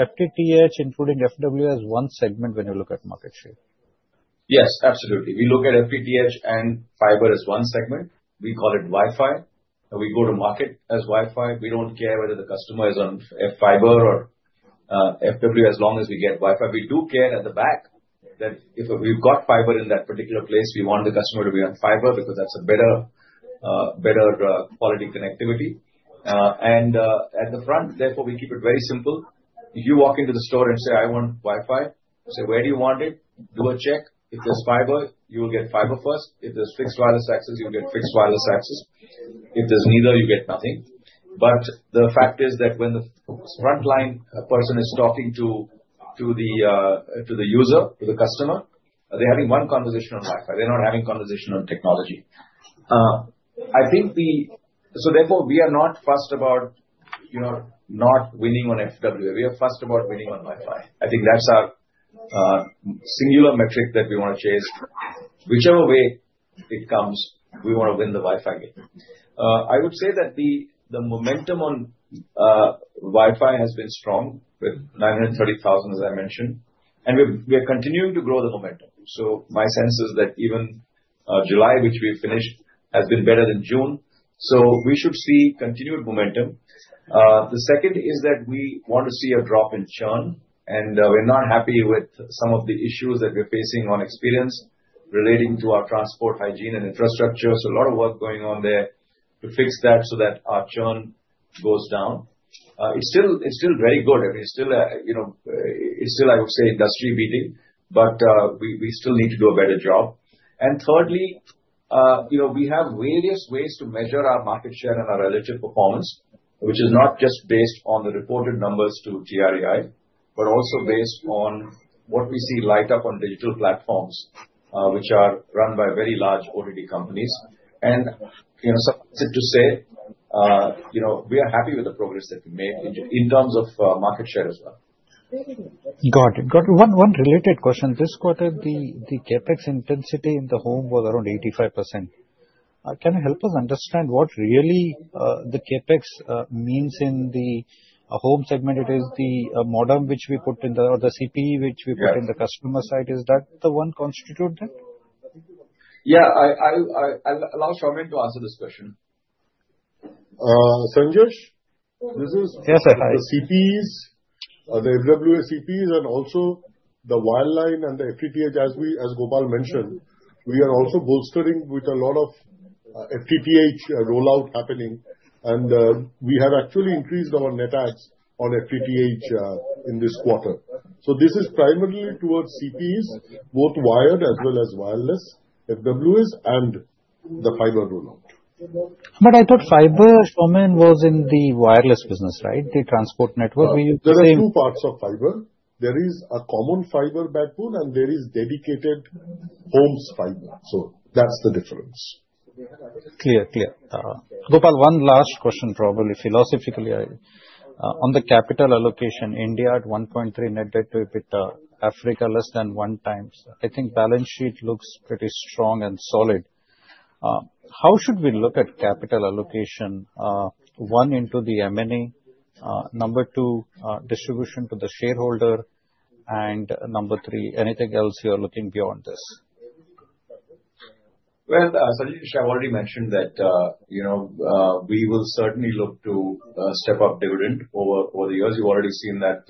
S6: FTTH including FWA as one segment when you look at market share.
S2: Yes, absolutely. We look at FTTH and fiber as one segment. We call it Wi-Fi. We go to market as Wi-Fi. We don't care whether the customer is on fiber or FWA as long as we get Wi-Fi. We do plan at the back that if we've got fiber in that particular place, we want the customer to be on fiber because that's a better, better quality connectivity. At the front, therefore, we keep it very simple. If you walk into the store and say I want Wi-Fi, say where do you want it? Do a check. If there's fiber, you will get fiber first. If there's fixed wireless access, you will get fixed wireless access. If there's neither, you get nothing. The fact is that when the frontline person is talking to the user, to the customer, they're having one conversation on Wi-Fi, they're not having conversation on technology. Therefore, we are not fussed about, you know, not winning on FWA. We are first about winning on Wi-Fi. I think that's our singular metric that we want to chase. Whichever way it comes, we want to win the Wi-Fi game. I would say that the momentum on Wi-Fi has been strong with 930,000 as I mentioned and we are continuing to grow the momentum. My sense is that even July, which we finished, has been better than June so we should see continued momentum. The second is that we want to see a drop in churn and we're not happy with some of the issues that we're facing on experience relating to our transport hygiene and infrastructure. A lot of work is going on there to fix that so that our churn goes down. It's still very good. I mean still, you know, it's still, I would say, industry beating, but we still need to do a better job. Thirdly, we have various ways to measure our market share and our relative performance which is not just based on the reported numbers to TRAI but also based on what we see light up on digital platforms which are run by very large OTT companies. We are happy with the progress that we made in terms of market share as well.
S6: Got it. Got one related question. This quarter the CapEx intensity in the home was around 85%. Can you help us understand what really the CapEx means in the home segment? It is the modem which we put in or CPE which we put in the customer side. Is that the one constitute them?
S2: I'll allow Soumen to answer this question.
S7: Sanjesh, this is the CTS, the AWS CTS and also the wireline and the FTTH. As we, as Gopal mentioned, we are also bolstering with a lot of FTTH rollout happening, and we have actually increased our net adds on FTTH in this quarter. This is primarily towards CPEs, both wired as well as wireless FWA and the fiber rollout.
S6: I thought fiber was in the wireless business, right? The transport network,
S7: There are two parts of fiber. There is a common fiber backbone, and there is dedicated homes fiber. That's the difference.
S6: Clear. Clear. Gopal, one last question, probably philosophically, on the capital allocation. India at 1.3 net debt to EBITDAL, Africa less than 1 times. I think balance sheet looks pretty strong and solid. How should we look at capital allocation? One, into the in-market M&A – number two, distribution to the shareholder; and number three, anything else you are looking beyond this?
S2: have already mentioned that, you know, we will certainly look to step up dividend over the years. You've already seen that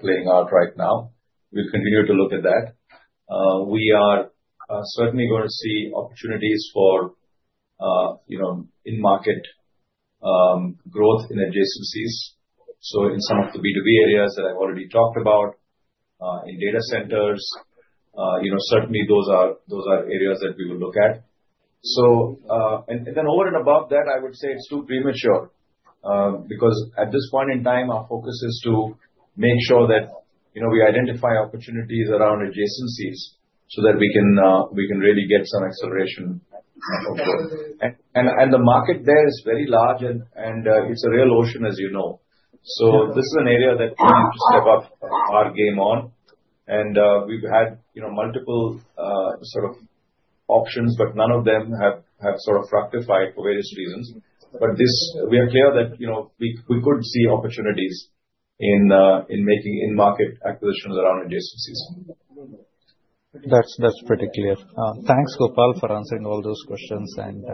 S2: playing out right now. We continue to look at that. We are certainly going to see opportunities for, you know, in market growth in adjacencies. In some of the B2B areas that I've already talked about in data centers, you know, certainly those are areas that we will look at. Over and above that, I would say it's too premature because at this point in time our focus is to make sure that, you know, we identify opportunities around adjacencies so that we can really get some acceleration and the market there is very large and it's a real ocean as you know. This is an area to step up our game on and we've had, you know, multiple sort of options but none of them have sort of fructified for various reasons. We are clear that, you know, we could see opportunities in making in-market acquisitions around adjacencies. That's pretty clear.
S6: Thanks Gopal for answering all those questions, and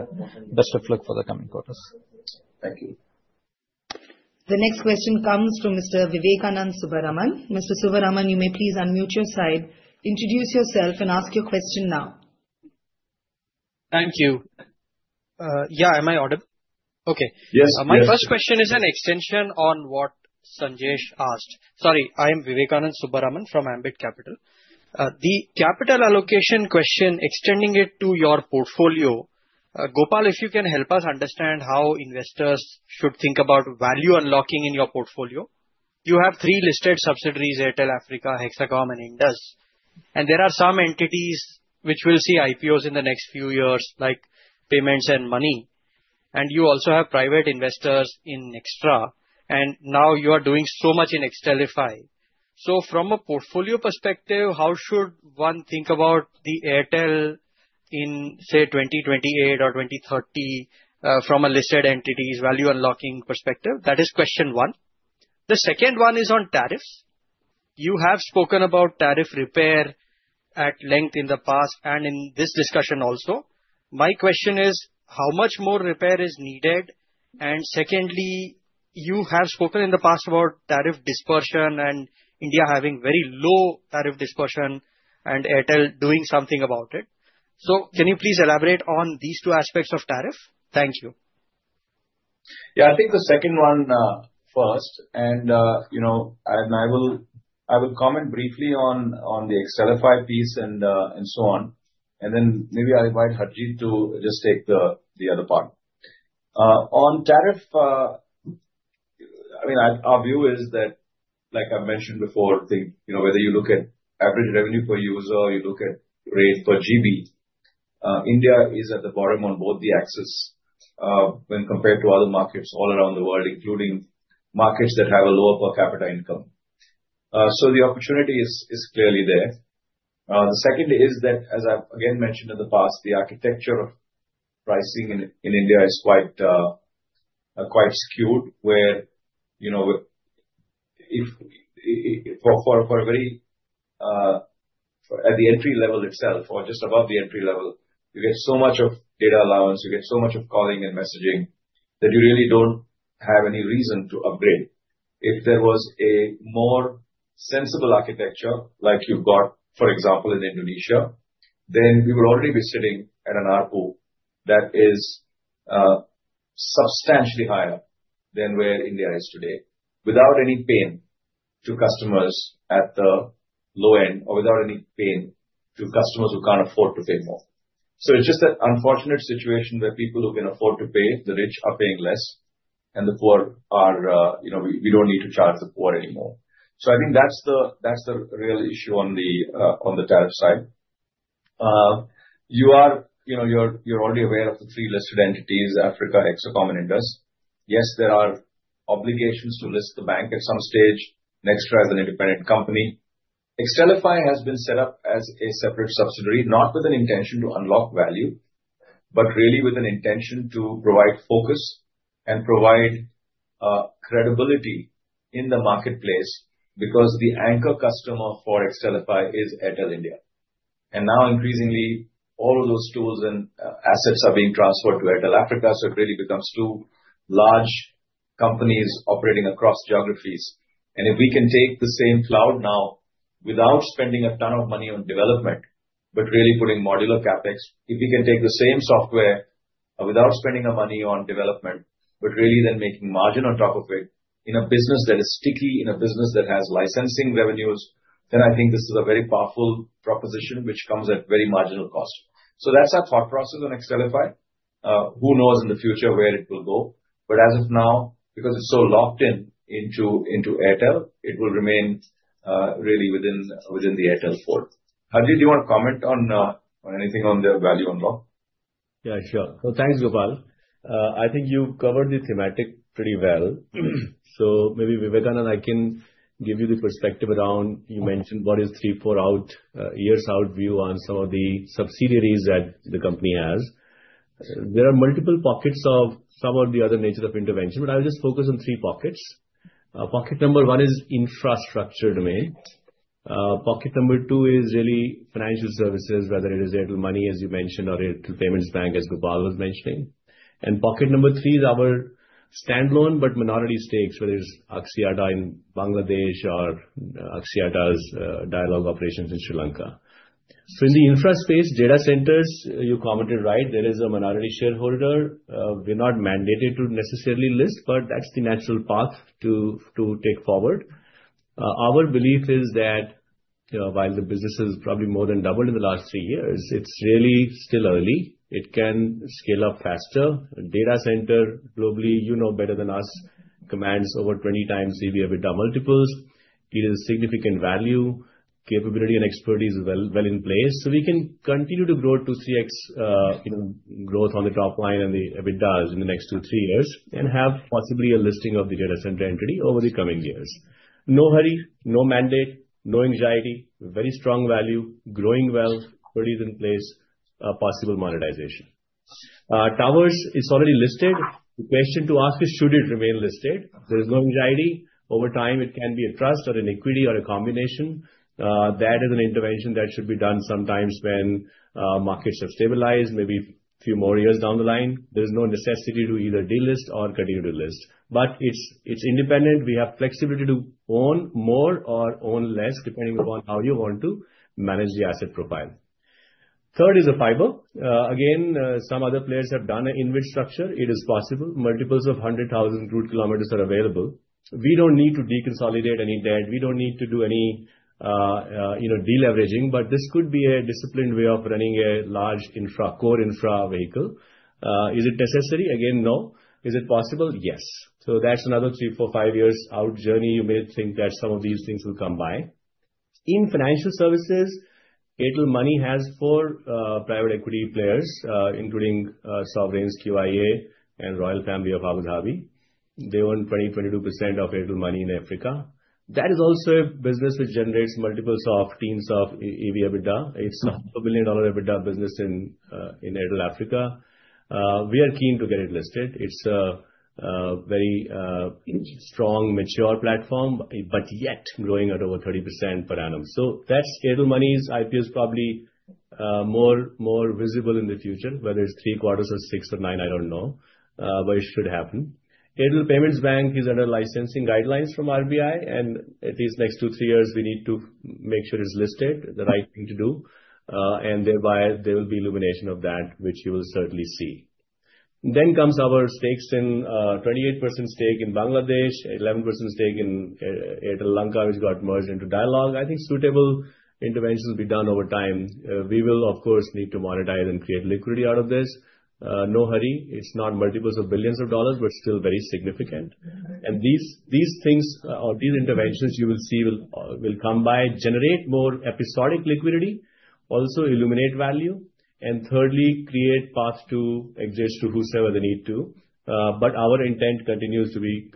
S6: best of luck for the coming quarters.
S1: The next question comes from Mr. Vivekanand Subbaraman. Mr. Subbaraman, you may please unmute your side, introduce yourself, and ask your question now.
S8: Thank you. Am I audible okay?
S2: Yes.
S8: My first question is an extension on what Sanjesh asked. Sorry. I am Vivekanand Subaraman from Ambit Capital. The capital allocation question, extending it to your portfolio. Gopal, if you can help us understand how investors should think about value unlocking. In your portfolio you have three listed subsidiaries, Airtel Africa, Hexacom, and Indus. There are some entities which will see IPOs in the next few years like payments and money. You also have private investors in extra. Now you are doing so much in xlify. From a portfolio perspective, how should one think about the Airtel in say 2028 or 2030 from a listed entities value unlocking perspective, that is question one. The second one is on tariff. You have spoken about tariff repair at length in the past and in this discussion also, my question is how much more repair is needed. You have spoken in the past about tariff dispersion and India having very low tariff discussion and Airtel doing something about it. Can you please elaborate on these two aspects of tariff?
S2: Thank you. I think the second one first, and I will comment briefly on the XLFI piece and so on, and then maybe I'll invite Harjeet to just take the other part on tariff. I mean, our view is that, like I mentioned before, whether you look at average revenue per user, you look at rate per GB, India is at the bottom on both the axis when compared to other markets all around the world, including markets that have a lower per capita income. The opportunity is clearly there. The second is that, as I've again mentioned in the past, the architecture of pricing in India is quite skewed where, at the entry level itself or just above the entry level, you get so much of data allowance, you get so much of calling and messaging that you really don't have any reason to upgrade. If there was a more sensible architecture like you've got, for example, in Indonesia, then we would already be sitting at an ARPU that is substantially higher than where India is today without any pain to customers at the low end or without any pain to customers who can't afford to pay more. It's just that unfortunate situation where people who can afford to pay, the rich, are paying less and the poor are, you know, you don't need to charge support anymore. I think that's the real issue. On the tariff side, you're already aware of the three listed entities, Africa, Hexacom, and Indus. Yes, there are obligations to list the bank at some stage. Nextdragon independent company Externify has been set up as a separate subsidiary, not with an intention to unlock value, but really with an intention to provide focus and provide credibility in the marketplace. The anchor customer for Externify is Airtel India. Now, increasingly, all of those tools and assets are being transferred to Airtel Africa. It really becomes two large companies operating across geographies. If we can take the same cloud now without spending a ton of money on development, but really putting modular CapEx, if we can take the same software without spending our money on development, but really then making margin on top of it in a business that is sticky, in a business that has licensing revenues, then I think this is a very powerful proposition which comes at very marginal cost. That's our thought process on Externify. Who knows in the future where it will go, but as of now, because it's so locked in into Airtel, it will remain really within the Airtel support. Harjeet, do you want to comment on anything on the value unlock?
S9: Yeah, sure. Thanks. Gopal, I think you've covered the thematic pretty well, so maybe Vivekanand, I can give you the perspective around, you mentioned what is 3-4 years out view on some of the subsidiaries that the company has. There are multiple pockets of some of the other nature of intervention, but I'll just focus on three pockets. Pocket number one is infrastructure domain. Pocket number two is really financial services, whether it is retail money as you mentioned or payments bank as Gopal was mentioning. Pocket number three is our standalone but minority stakes, whether it's Axiata in Bangladesh or Axiata's Dialog operations in Sri Lanka. In the infra space, data centers you commented right, there is a minority shareholder. We're not mandated to necessarily list, but that's the natural path to take forward. Our belief is that while the business has probably more than doubled in the. Last three years, it's really still early. It can scale up faster. Data center globally, you know better than us, commands over 20x CBA, EBITDA multiples. It is significant value, capability, and expertise well in place. We can continue to grow to CX growth on the top line and the EBITDAs in the next 2, 3 years and have possibly a listing of the data center entity over the coming years. No hurry, no mandate, no anxiety, very strong value, growing wealth. Put it in place. Possible monetization towers. It's already listed. The question to ask is should it remain listed? There's no anxiety over time it can be a trust or an equity or a combination. That is an intervention that should be done sometimes when markets have stabilized, maybe a few more years down the line. There's no necessity to either delist or continue to list. It's independent. We have flexibility to own more or own less depending upon how you want to manage the asset profile. Third is fiber. Again, some other players have done an InvIT structure. It is possible multiples of 100,000 km are available. We don't need to deconsolidate any debt. We don't need to do any deleveraging. This could be a disciplined way of running a large core infra vehicle. Is it necessary? Again, no. Is it possible? Yes. That's another three, four, five years out journey you may think that some of these things will come by. In financial services, Airtel Money has four private equity players including sovereigns QIA and Royal Family of Abu Dhabi. They own 20.22% of Airtel Money. In Africa, that is also a business that generates multiples of teams of EV/EBITDA. It's a billion dollar EBITDA business in Airtel Africa. We are keen to get it listed. It's a very strong mature platform but yet growing at over 30% per annum. That's Airtel Money's IPO is probably more visible in the future. Whether it's three, four, six, or nine, I don't know but it should happen. Airtel Payments Bank is under licensing guidelines from RBI and at least next two, three years we need to make sure. It's listed the right thing to do. There will be illumination of that which you will certainly see. Our stakes are a 28% stake in Bangladesh, 11% stake in Lanka which got merged into Dialog. I think suitable interventions will be done over time. We will of course need to monetize and create liquidity out of this. No hurry. It's not multiples of billions of dollars, but still very significant. These interventions you will see will generate more episodic liquidity, also illuminate value, and thirdly create path to exit to whosoever they need to. Our intent continues to be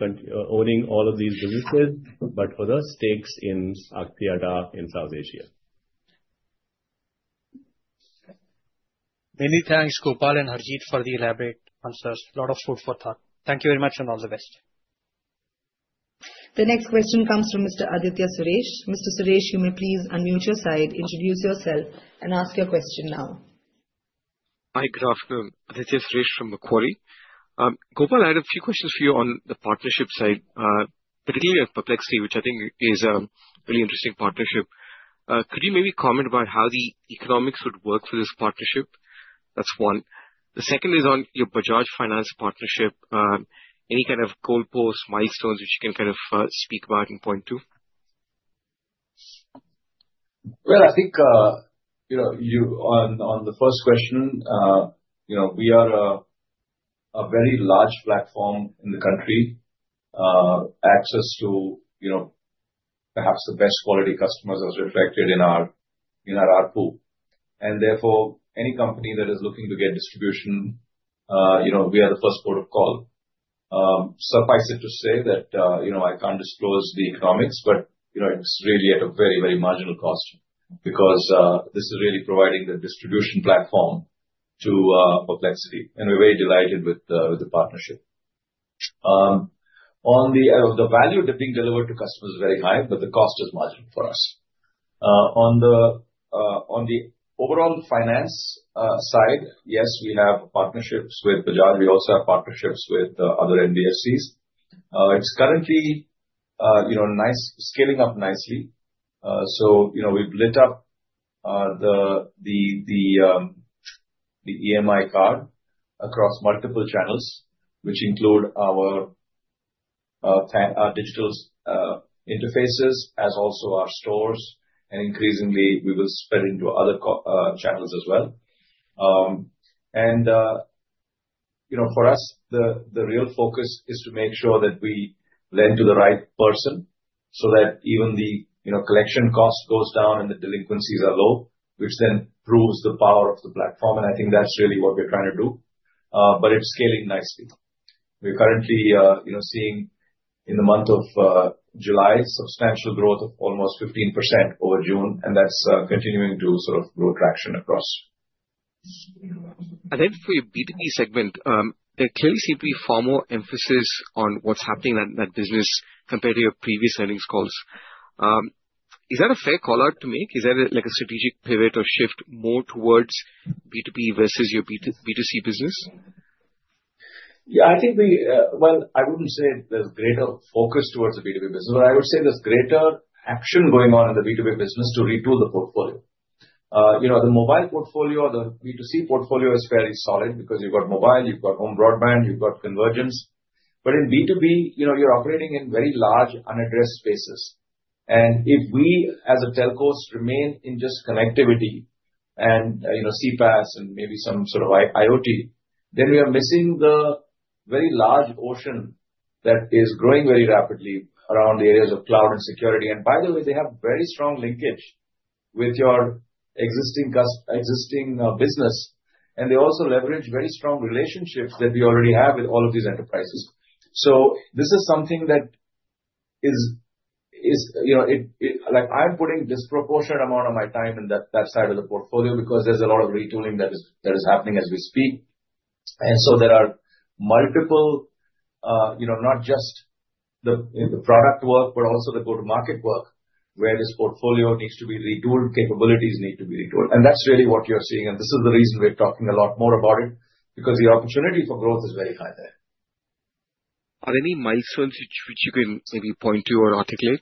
S9: owning all of these businesses, but other stakes in South Asia.
S8: Many thanks Gopal and Harjeet for the elaborate answers. A lot of food for thought. Thank you very much and all the best.
S1: The next question comes from Mr. Aditya Suresh. Mr. Suresh, you may please unmute your side, introduce yourself, and ask your question now.
S10: Hi, good afternoon, this is Suresh from Macquarie. Gopal, I have a few questions for you on the partnership side, particularly Perplexity, which I think is a really interesting partnership. Could you maybe comment about how the. Economics would work for this partnership? That's one. The second is on your Bajaj Finance partnership. Any kind of goal post milestones which you can kind of speak about and point to?
S2: I think you know, on the first question, we are a very large platform in the country. Access to, you know, perhaps the best quality customers as reflected in our ARPU and therefore any company that is looking to get distribution, we are the first port of call. Suffice it to say that I can't disclose the economics, but it's really at a very, very marginal cost because this is really providing the distribution platform to Perplexity and we're very delighted with the partnership. The value that is being delivered to customers is very high, but the cost is marginal for us. On the overall finance side, yes, we have partnerships with Bajaj, we also have partnerships with other NBFCs. It's currently scaling up nicely. We've lit up the EMI card across multiple channels which include our digital interfaces as also our stores and increasingly we will spread into other channels as well. For us the real focus is to make sure that we lend to the right person so that even the collection cost goes down and the delinquencies are low, which then proves the power of the platform. I think that's really what we're trying to do. It's scaling nicely. We're currently seeing in the month of July substantial growth of almost 15% over June and that's continuing to grow traction across.
S10: For your B2B segment, there clearly seems to be far more emphasis on what's happening in that business compared to your previous earnings calls. Is that a fair call out to make? Is that like a strategic pivot or shift more towards B2B versus your B2C business?
S2: Yeah, I think we. I wouldn't say there's greater focus towards the B2B business, but I would say there's greater action going on in the B2B business to retool the portfolio. You know, the mobile portfolio, the B2C portfolio is fairly solid because you've got mobile, you've got home broadband, you've got convergence. In B2B, you know, you're operating in very large unaddressed spaces. If we as a telcos remain in just connectivity and you know, CPaaS and maybe some sort of IOT, then we are missing the very large ocean that is growing very rapidly around the areas of cloud and security. By the way, they have very strong linkage with your existing, existing business and they also leverage very strong relationships that we already have with all of these enterprises. This is something that is, you know, it like I'm putting disproportionate amount of my time in that side of the portfolio because there's a lot of retooling that is, that is happening as we speak. There are multiple, you know, not just the product work but also the go to market work where this portfolio needs to be retooled, capabilities need to be retooled and that's really what you're seeing. This is the reason we're talking a lot more about it, because the opportunity for growth is very high.
S10: Are there any milestones which you can maybe point to or articulate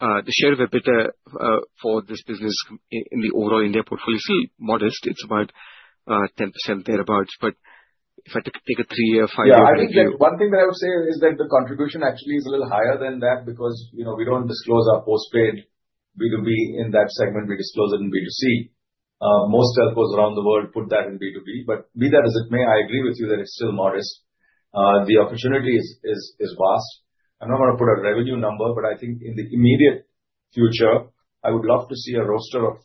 S10: the share of EBITDA for this business in the overall India portfolio? See, modest. It's about 10% thereabouts. If I take a three year.
S2: Five year, I think one thing that I would say is that the contribution actually is a little higher than that because we don't disclose our postpaid B2B in that segment. We disclose it in B2C. Most cell phones around the world put that in B2B. Be that as it may, I agree with you that it's still modest. The opportunity is vast. I'm not going to put a revenue number, but I think in the immediate future I would love to see a roster of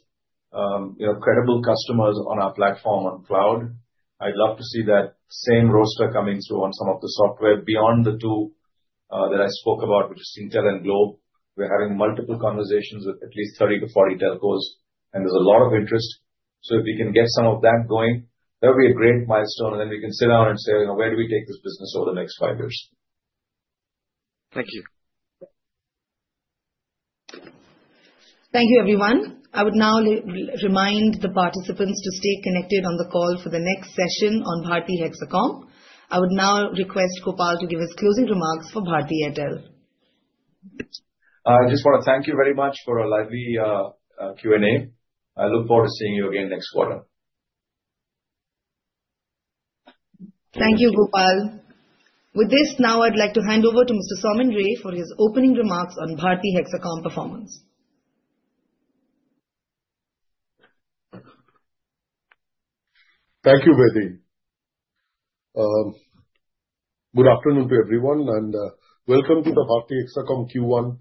S2: credible customers on our platform on cloud. I'd love to see that same roster coming through on some of the software beyond the two that I spoke about, which is Intel and Globe. We're having multiple conversations with at least 30-40 telcos and there's a lot of interest. If we can get some of that going, that would be a great milestone and then we can sit down and say where do we take this business over the next five years?
S10: Thank you.
S1: Thank you everyone. I would now remind the participants to stay connected on the call for the next session on Bharti Hexacom. I would now request Gopal to give his closing remarks for Bharti Airtel.
S2: I just want to thank you very much for a lively Q&A. I look forward to seeing you again next quarter.
S1: Thank you, Gopal. With this, now I'd like to hand over to Mr. Soumen Ray for his opening remarks on Bharti Hexacom performance.
S7: Thank you. Good afternoon to everyone and welcome to the Bharti Hexacom Q1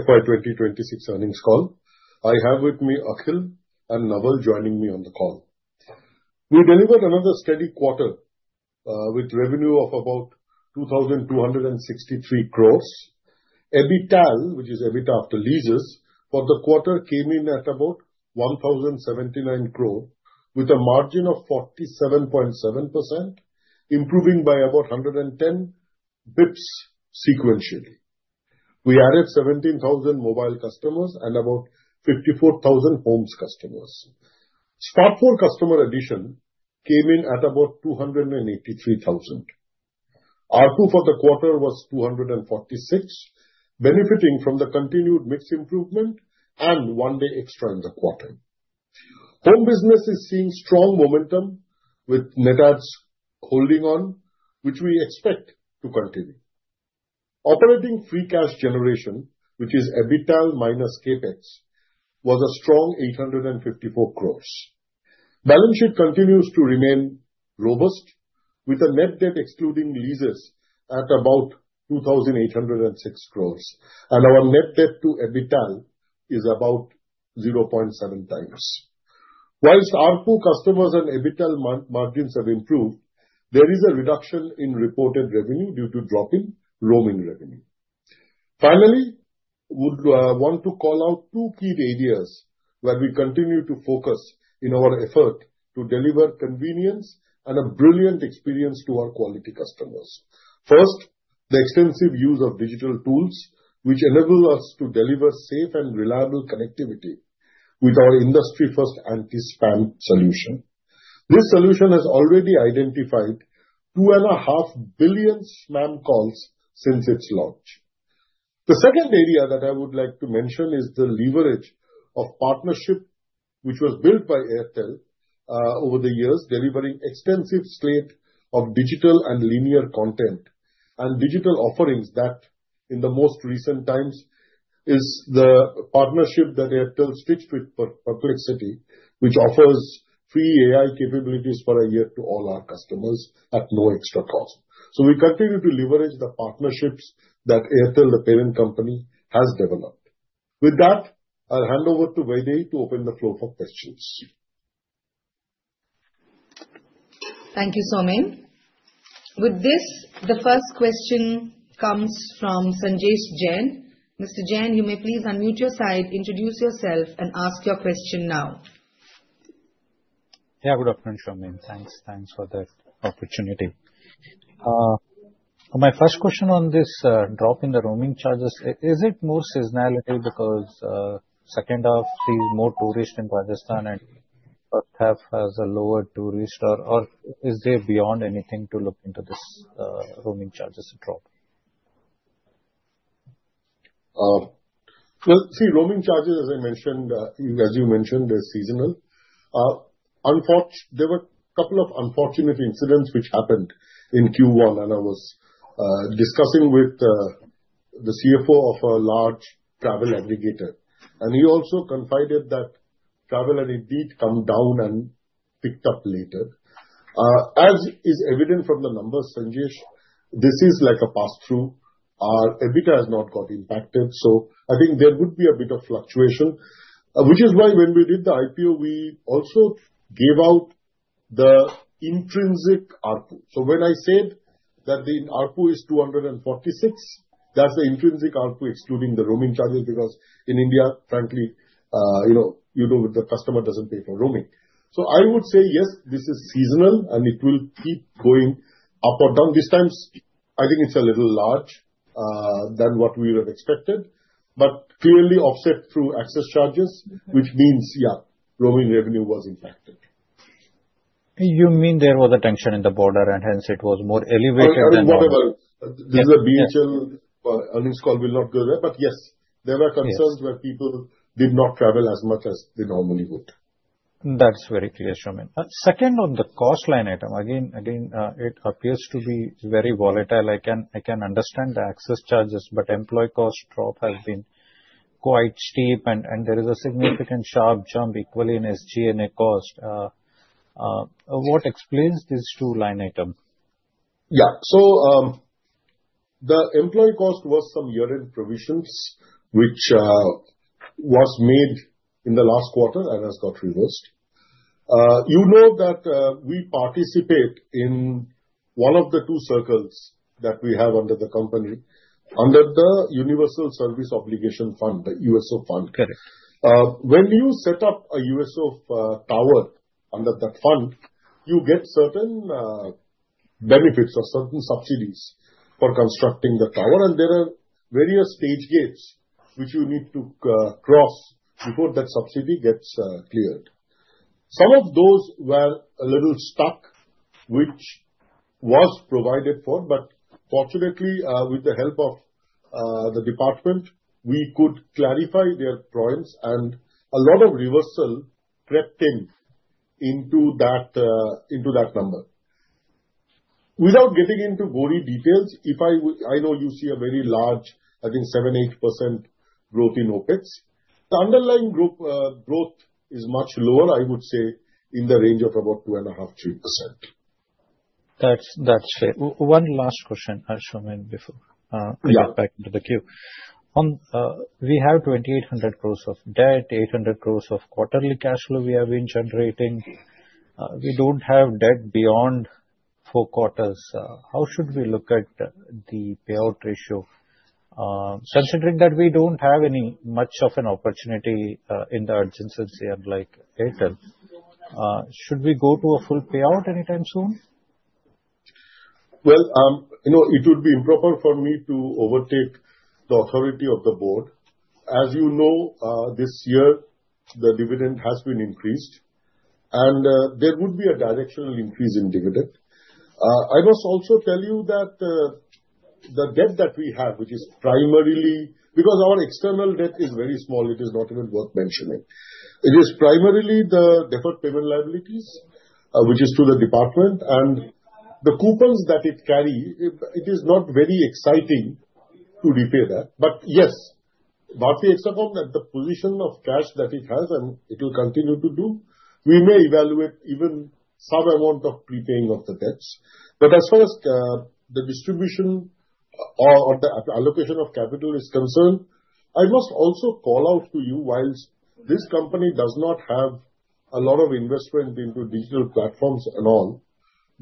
S7: FY 2026 earnings call. I have with me Akhil and Naval joining me on the call. We delivered another steady quarter with revenue of about 2,263 Crores. EBITDA, which is EBIT after leases for the quarter, came in at about 1,079 Crores with a margin of 47.7%, improving by about 110 bps. Sequentially, we added 17,000 mobile customers and about 54,000 homes. Customer stab for customer addition came in at about 283,000. ARPU for the quarter was 246, benefiting from the continued mix improvement and one day extra in the quarter. The homes and office business is seeing strong momentum with net adds holding on, which we expect to continue. Operating free cash generation, which is EBITDA minus CapEx, was a strong 854 Crores. Balance sheet continues to remain robust with net debt excluding leases at about 2,806 Crores and our net debt to EBITDA is about 0.7x. Whilst ARPU, customers, and EBITDA margins have improved, there is a reduction in reported revenue due to drop in roaming revenue. Finally, I would want to call out two key areas where we continue to focus in our effort to deliver convenience and a brilliant experience to our quality customers. First, the extensive use of digital tools, which enable us to deliver safe and reliable connectivity with our industry-first anti-spam solution. This solution has already identified 2.5 billion spam calls since its launch. The second area that I would like to mention is the leverage of partnership, which was built by Airtel over the years, delivering extensive strength of digital and linear content and digital offerings. In the most recent times, it is the partnership that Airtel stitched with Perplexity, which offers free AI capabilities for a year to all our customers at no extra cost. We continue to leverage the partnerships that Bharti Airtel, the parent company, has developed. With that, I'll hand over to Vaidehi to open the floor for questions.
S1: Thank you, Soumen. With this, the first question comes from Sanjesh Jain. Mr. Jain, you may please unmute your side, introduce yourself, and ask your question now.
S6: Good afternoon, thanks. Thanks for that opportunity. My first question on this drop in the roaming charges, is it more seasonality because second half is more tourist in Pakistan and has a lower tourist or is there beyond anything to look into this roaming charges drop?
S7: Roaming charges, as I mentioned, as you mentioned, they're seasonal. Unfortunately, a couple of unfortunate incidents happened in Q1 and I was discussing with the CFO of a large travel aggregator and he also confided that travel did come down and picked up later as is evident from the numbers. Sanjish, this is like a pass through. Our EBITDA has not got impacted. I think there would be a bit of fluctuation, which is why when we did the IPO we also gave out the intrinsic ARPU. When I said that the ARPU is 246, that's the intrinsic ARPU excluding the roaming charges. Because in India, frankly, the customer doesn't pay for roaming. I would say yes, this is seasonal and it will keep going up or down this time, I think it's a little larger than what we would have expected, but clearly offset through access charges, which means roaming revenue was impacted.
S6: You mean there was a tension in the border, and hence it was more. Elevated than the
S7: The Airtel earnings call will not go there. Yes, there were concerns where people did not travel as much as they normally would.
S6: That's very clear, Soumen. Second, on the cost line item, it appears to be very volatile. I can understand the access charges, but employee cost drop has been quite steep, and there is a significant sharp jump equally in SGNA cost. What explains this true line item?
S7: Yeah, so the employee cost was some year-end provisions which was made in the last quarter and has got reversed. You know that we participate in one of the two circles that we have under the company under the Universal Service Obligation Fund, the USO Fund.
S6: Correct.
S7: When you set up a USO tower under that fund, you get certain benefits or certain subsidies for constructing the tower, and there are various stage gates which you need to cross before that subsidy gets cleared. Some of those were a little stuck, which was provided for. Fortunately, with the help of the department, we could clarify their points, and a lot of reversal crept into that number. Without getting into gory details, I know you see a very large, I think 7%-8% growth in OpEx. The underlying group growth is much lower. I would say in the range of about 2.5%-3%.
S6: That's one last question, Soumen, before back to the queue. We have 2,800 Crores of debt, 800 Crores of quarterly cash flow we have been generating. We don't have debt beyond four quarters. How should we look at the payout ratio, considering that we don't have much of an opportunity in the urgency, unlike pay terms. Should we go to a full payout anytime soon?
S7: It would be improper for me to overtake the authority of the board. As you know, this year the dividend has been increased and there would be a directional increase in dividend. I must also tell you that the debt that we have, which is primarily because our external debt is very small, it is not even worth mentioning. It is primarily the deferred payment liabilities, which is through the department and the coupons that it carry. It is not very exciting to repay that. Yes, Bharti Hexacom at the position of cash that it has and it will continue to do, we may evaluate even some amount of prepaying of the debts. As far as the distribution or the allocation of capital is concerned, I must also call out to you. While this company does not have a lot of investment into digital platforms and all,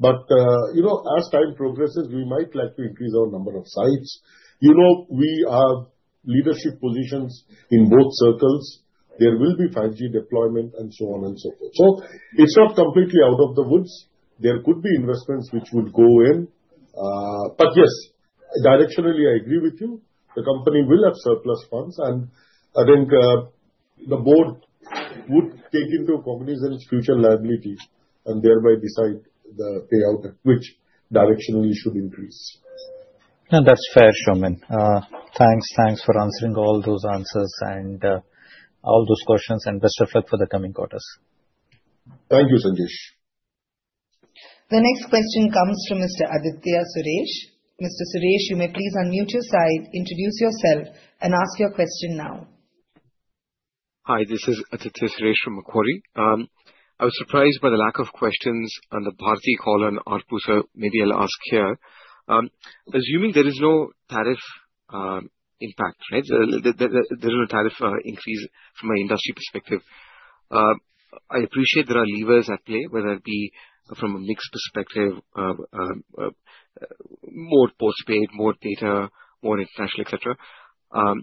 S7: as time progresses we might like to increase our number of sites. We have leadership positions in both circles. There will be 5G deployment and so on and so forth. It is not completely out of the woods. There could be investments which would go in. Yes, directionally I agree with you. The company will have surplus funds and I think the board would take into account future liabilities and thereby decide the payout, which direction we should increase.
S6: That's fair. Soumen, thanks. Thanks for answering all those questions and best of luck for the coming quarters.
S7: Thank you, Sanjesh.
S1: The next question comes from Mr. Aditya Suresh. Mr. Suresh, you may please unmute your side, introduce yourself, and ask your question now.
S10: Hi, this is Aditya Suresh from Macquarie. I was surprised by the lack of questions on the Bharti call on ARPU so, maybe I'll ask here. Assuming there is no tariff impact, there's no tarrif increase from an industry perspective. I appreciate there are levers at play, whether it be from a mix perspective, more postpaid, more data, more international, etc. How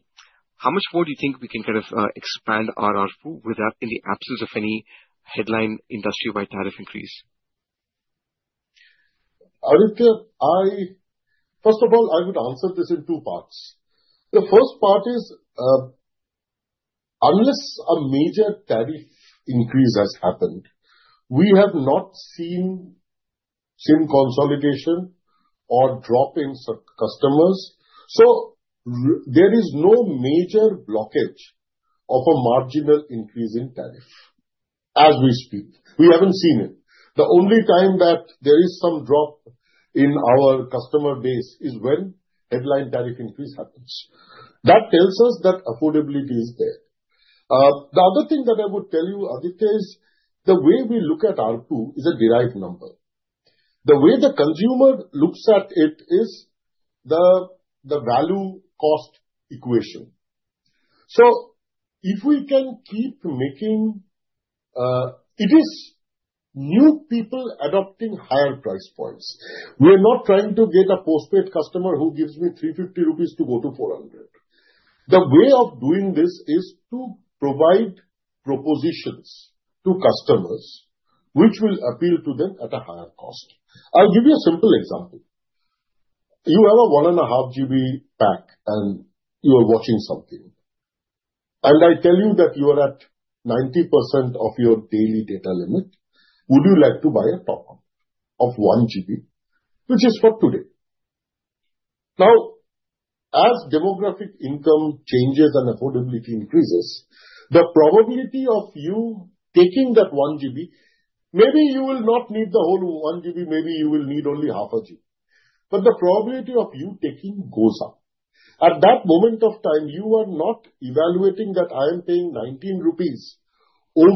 S10: much more do you think we can kind of expand ARPU with that in the absence of any headline industry-wide tariff increase?
S7: First of all, I would answer this in two parts. The first part is unless a major tariff increase has happened, we have not seen consolidation or drop in customers. There is no major blockage of a marginal increase in tariff as we speak. We haven't seen it. The only time that there is some drop in our customer base is when headline direct increase happens. That tells us that affordability is there. The other thing that I would tell you, Aditya, is the way we look at ARPU is a derived number. The way the consumer looks at it is the value cost equation. If we can keep making. It is new people adopting higher price points. We are not trying to get a postpaid customer who gives me 350 rupees to go to 400. The way of doing this is to provide propositions to customers which will appeal to them at a higher cost. I'll give you a simple example. You have a one and a half GB pack and you are watching something and I tell you that you are at 90% of your daily data limit. Would you like to buy a top-up of 1 GB which is for today? Now as demographic income changes and affordability increases, the probability of you taking that 1 GB, maybe you will not need the whole 1 GB, maybe you will need only half a GB. The probability of you taking goes up at that moment of time. You are not evaluating that I am paying 19 rupees or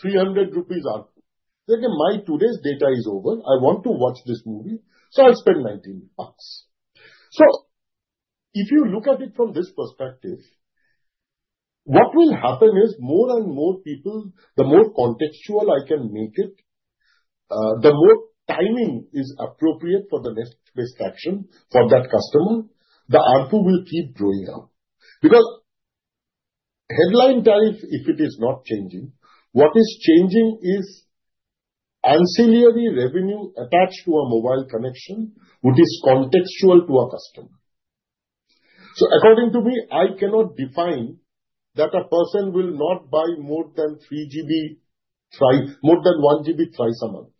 S7: 300 rupees or my today's data is over. I want to watch this movie. I've spent 19 hours. If you look at it from this perspective, what will happen is more and more people, the more contextual I can make it, the more timing is appropriate for the next transaction. For that customer, the answer will keep going up because headline tariff, if it is not changing, what is changing is ancillary revenue attached to a mobile connection which is contextual to a customer. According to me, I cannot define that a person will not buy more than 3 GB, try more than 1 GB twice a month.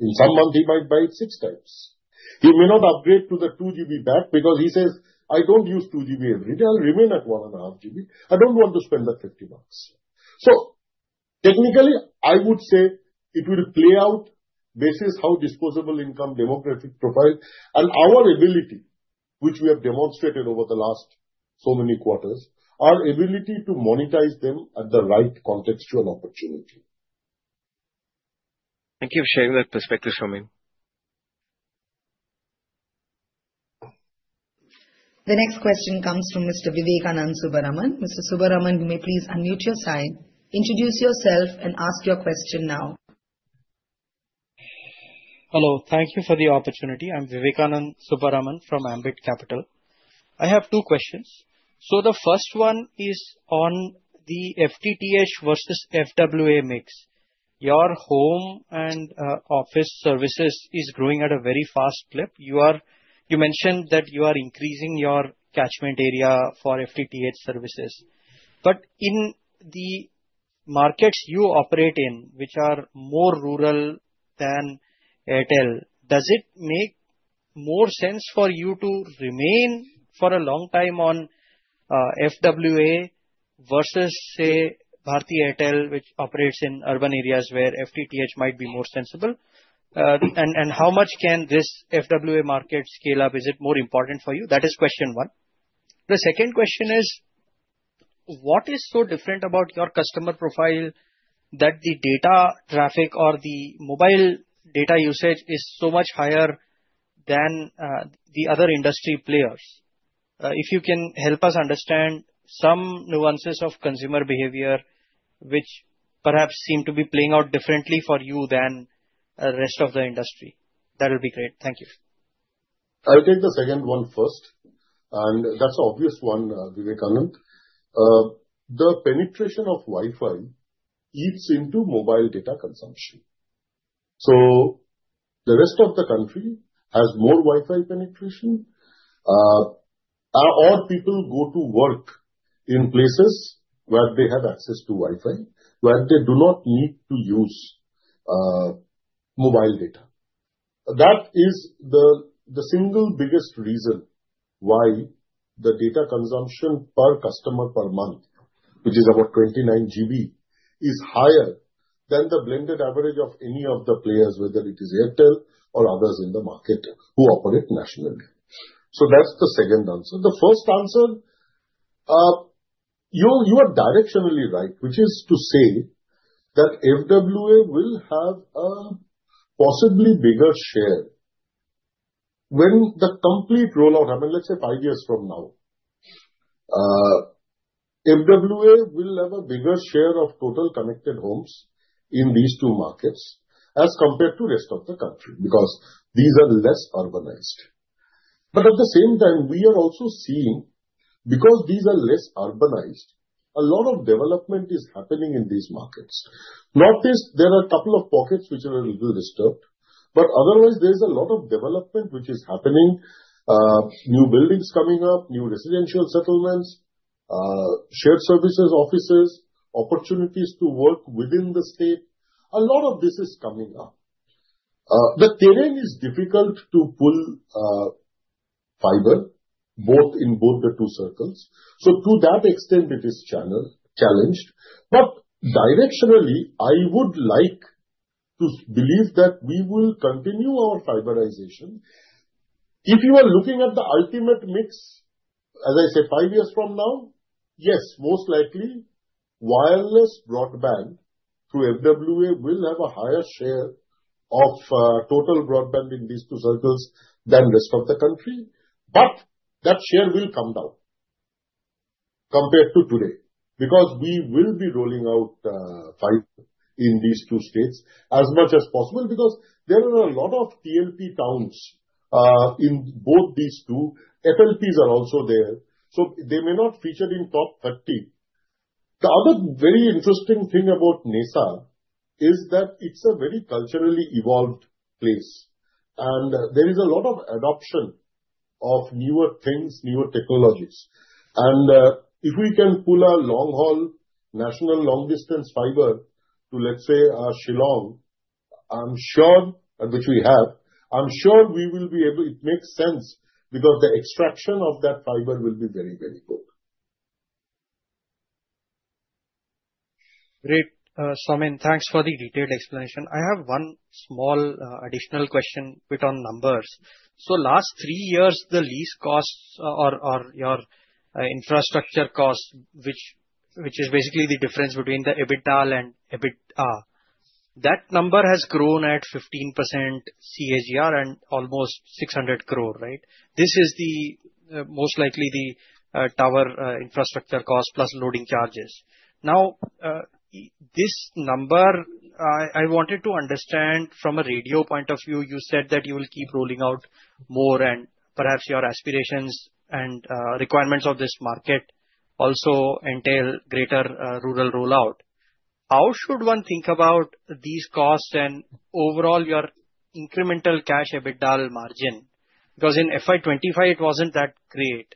S7: In some month he might buy six times. He may not upgrade to the 2 GB pack because he says, I don't use 2 GB every day. I'll remain at one and a half GB. I don't want to spend that fifty dollars. Technically I would say it will play out. This is how disposable income, demographic profile and our ability, which we have demonstrated over the last so many quarters, our ability to monetize them at the right contextual opportunity.
S10: Thank you for sharing that perspective.
S1: The next question comes from Mr. Vivekanand Subbaraman. Mr. Subbaraman, you may please unmute your side, introduce yourself, and ask your question now.
S8: Hello. Thank you for the opportunity. I'm Vivekanand Subbaraman from Ambit Capital. I have two questions. The first one is on the FTTH versus FWA mix. Your homes and office business is growing at a very fast clip. You mentioned that you are increasing your catchment area for FTTH services, but in the markets you operate in, which are more rural than Airtel, does it make more sense for you to remain for a long time on FWA versus, say, Bharti Airtel, which operates in urban areas where FTTH might be more sensible? How much can this FWA market scale up? Is it more important for you? That is question one. The second question is what is so different about your customer profile that the data traffic or the mobile data usage is so much higher than the other industry players? If you can help us understand some nuances of consumer behavior which perhaps seem to be playing out differently for you than the rest of the industry, that would be great. Thank you.
S7: I'll take the second one first, and that's obvious. Vivekanand, the penetration of Wi-Fi eats into mobile data consumption. The rest of the country has more Wi-Fi penetration, or people go to work in places where they have access to Wi-Fi where they do not need to use mobile data. That is the single biggest reason why the data consumption per customer per month, which is about 29 GB, is higher than the blended average of any of the players, whether it is Airtel or others in the market who operate nationally. That's the second answer. The first answer, you are directionally right, which is to say that FWA will have a possibly bigger share when the complete rollout. I mean let's say five years from now. FWA will have a bigger share of total connected homes in these two markets as compared to the rest of the country because these are less urbanized. At the same time, we are also seeing a lot of development is happening in these markets. There are a couple of pockets which are a little disturbed, but otherwise there is a lot of development which is happening. New buildings are coming up, new residential settlements, shared services, offices, opportunities to work within the state. A lot of this is coming up. The terrain is difficult to pull fiber in both the two circles. To that extent, it is channel challenged. Directionally, I would like to believe that we will continue our fiberization. If you are looking at the ultimate mix, as I say five years from now, yes, most likely wireless broadband through FWA will have a higher share of total broadband in these two circles than the rest of the country. That share will come down compared to today because we will be rolling out fiber in these two states as much as possible because there are a lot of TLP towns in both these two FLPs are also there so they may not feature in top 30. The other very interesting thing about NESA is that it's a very culturally evolved place and there is a lot of adoption of newer things, newer technologies, and if we can pull a long haul national long distance fiber to let's say Shillong, which we have, I'm sure we will be able. It makes sense because the extraction of that fiber will be very, very good.
S8: Great, Soumen, thanks for the detailed explanation. I have one small additional question bit on numbers. The last three years the lease costs or your infrastructure costs, which is basically the difference between the EBITDA and EBIT, that number has grown at 15% CAGR and almost 600 Crores, right? This is most likely the tower infrastructure cost plus loading charges. Now, this number I wanted to understand from a radio point of view. You said that you will keep rolling out more and perhaps your aspirations and requirements of this market also entail greater rural rollout. How should one think about these costs and overall your incremental cash EBITDAL margin? In FY 2025 it wasn't that great,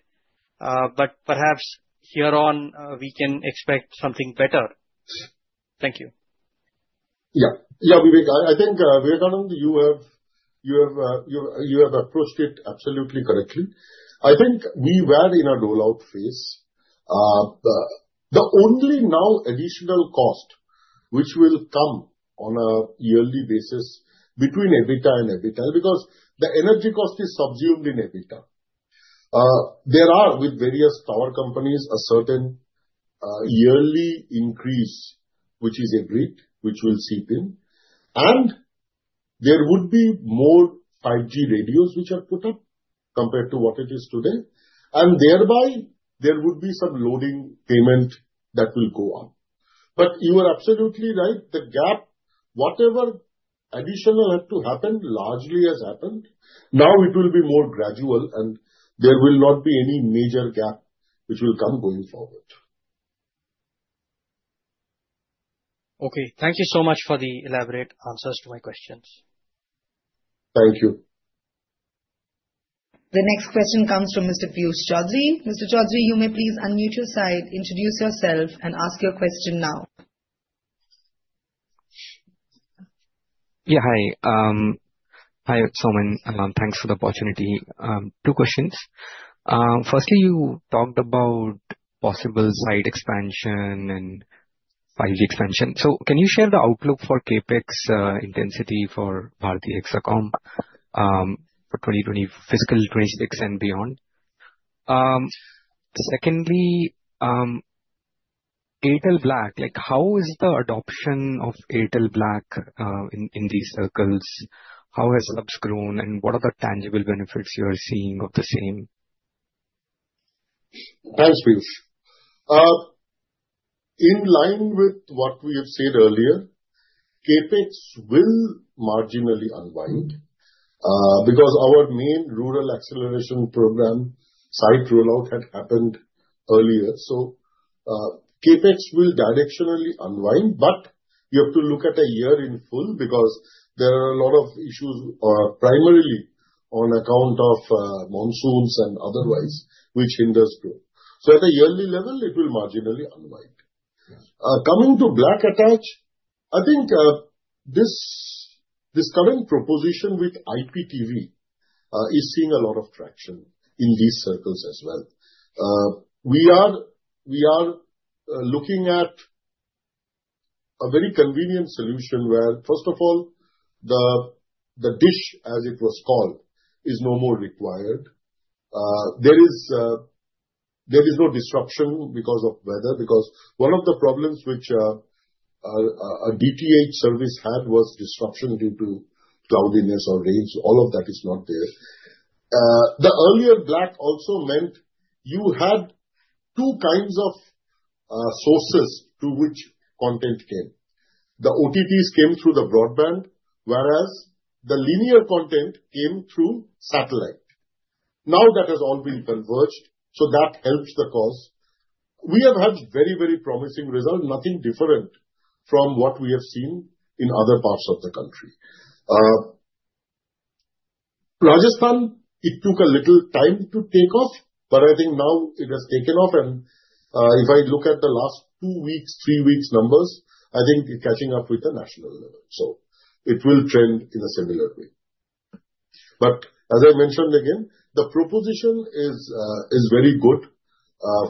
S8: but perhaps here on we can expect something better. Thank you.
S7: Yeah, I think you have approached it absolutely correctly. I think we were in a rollout phase. The only now additional cost which will come on a yearly basis between EBITDA and EBITDA, because the energy cost is subsumed in EBITDA. There are, with various power companies, a certain yearly increase which is agreed, which will seep in, and there would be more 5G radios which are put up compared to what it is today, and thereby there would be some loading payment that will go up. You are absolutely right. The gap, whatever additional had to happen, largely has happened now. It will be more gradual, and there will not be any major gap which will come going forward.
S8: Okay, thank you so much for the elaborate answers to my questions.
S7: Thank you.
S1: The next question comes from Mr. Piyush Choudhary. Mr. Choudhary, you may please unmute your side, introduce yourself, and ask your question now.
S4: Yeah. Hi. Hi Soumen. Thanks for the opportunity. Two questions. Firstly, you talked about possible site expansion and 5G expansion. Can you share the outlook for CapEx intensity for Bharti Hexacom for 2025, fiscal 2026 and beyond? Secondly Airtel Black, like how is the adoption of Airtel Black in these circles? How has Labs grown and what are the tangible benefits you are seeing of the same?
S7: Thanks Piyush. In line with what we have said earlier, CapEx will marginally unwind because our main rural acceleration program site rollout had happened earlier. Capex will directionally unwind, but you have to look at a year in full because there are a lot of issues primarily on account of monsoons and otherwise which hinders growth. At a yearly level it will marginally unwind. Coming to black attach, this current proposition with IPTV is seeing a lot of traction in these circles as well. We are looking at a very convenient solution where, first of all, the dish as it was called is no more required. There is no disruption because of weather, because one of the problems which a DTH service had was disruption due to cloudiness or rain. All of that is not there. The earlier black also meant you had two kinds of sources through which content came. The OTTs came through the broadband whereas the linear content came through satellite. Now that has all been converged, so that helps the cause. We have had very, very promising results, nothing different from what we have seen in other parts of the country. Rajasthan, it took a little time to take off, but I think now it has taken off, and if I look at the last two weeks, three weeks numbers, I think it's catching up with the national level. It will trend in a similar way. As I mentioned again, the proposition is very good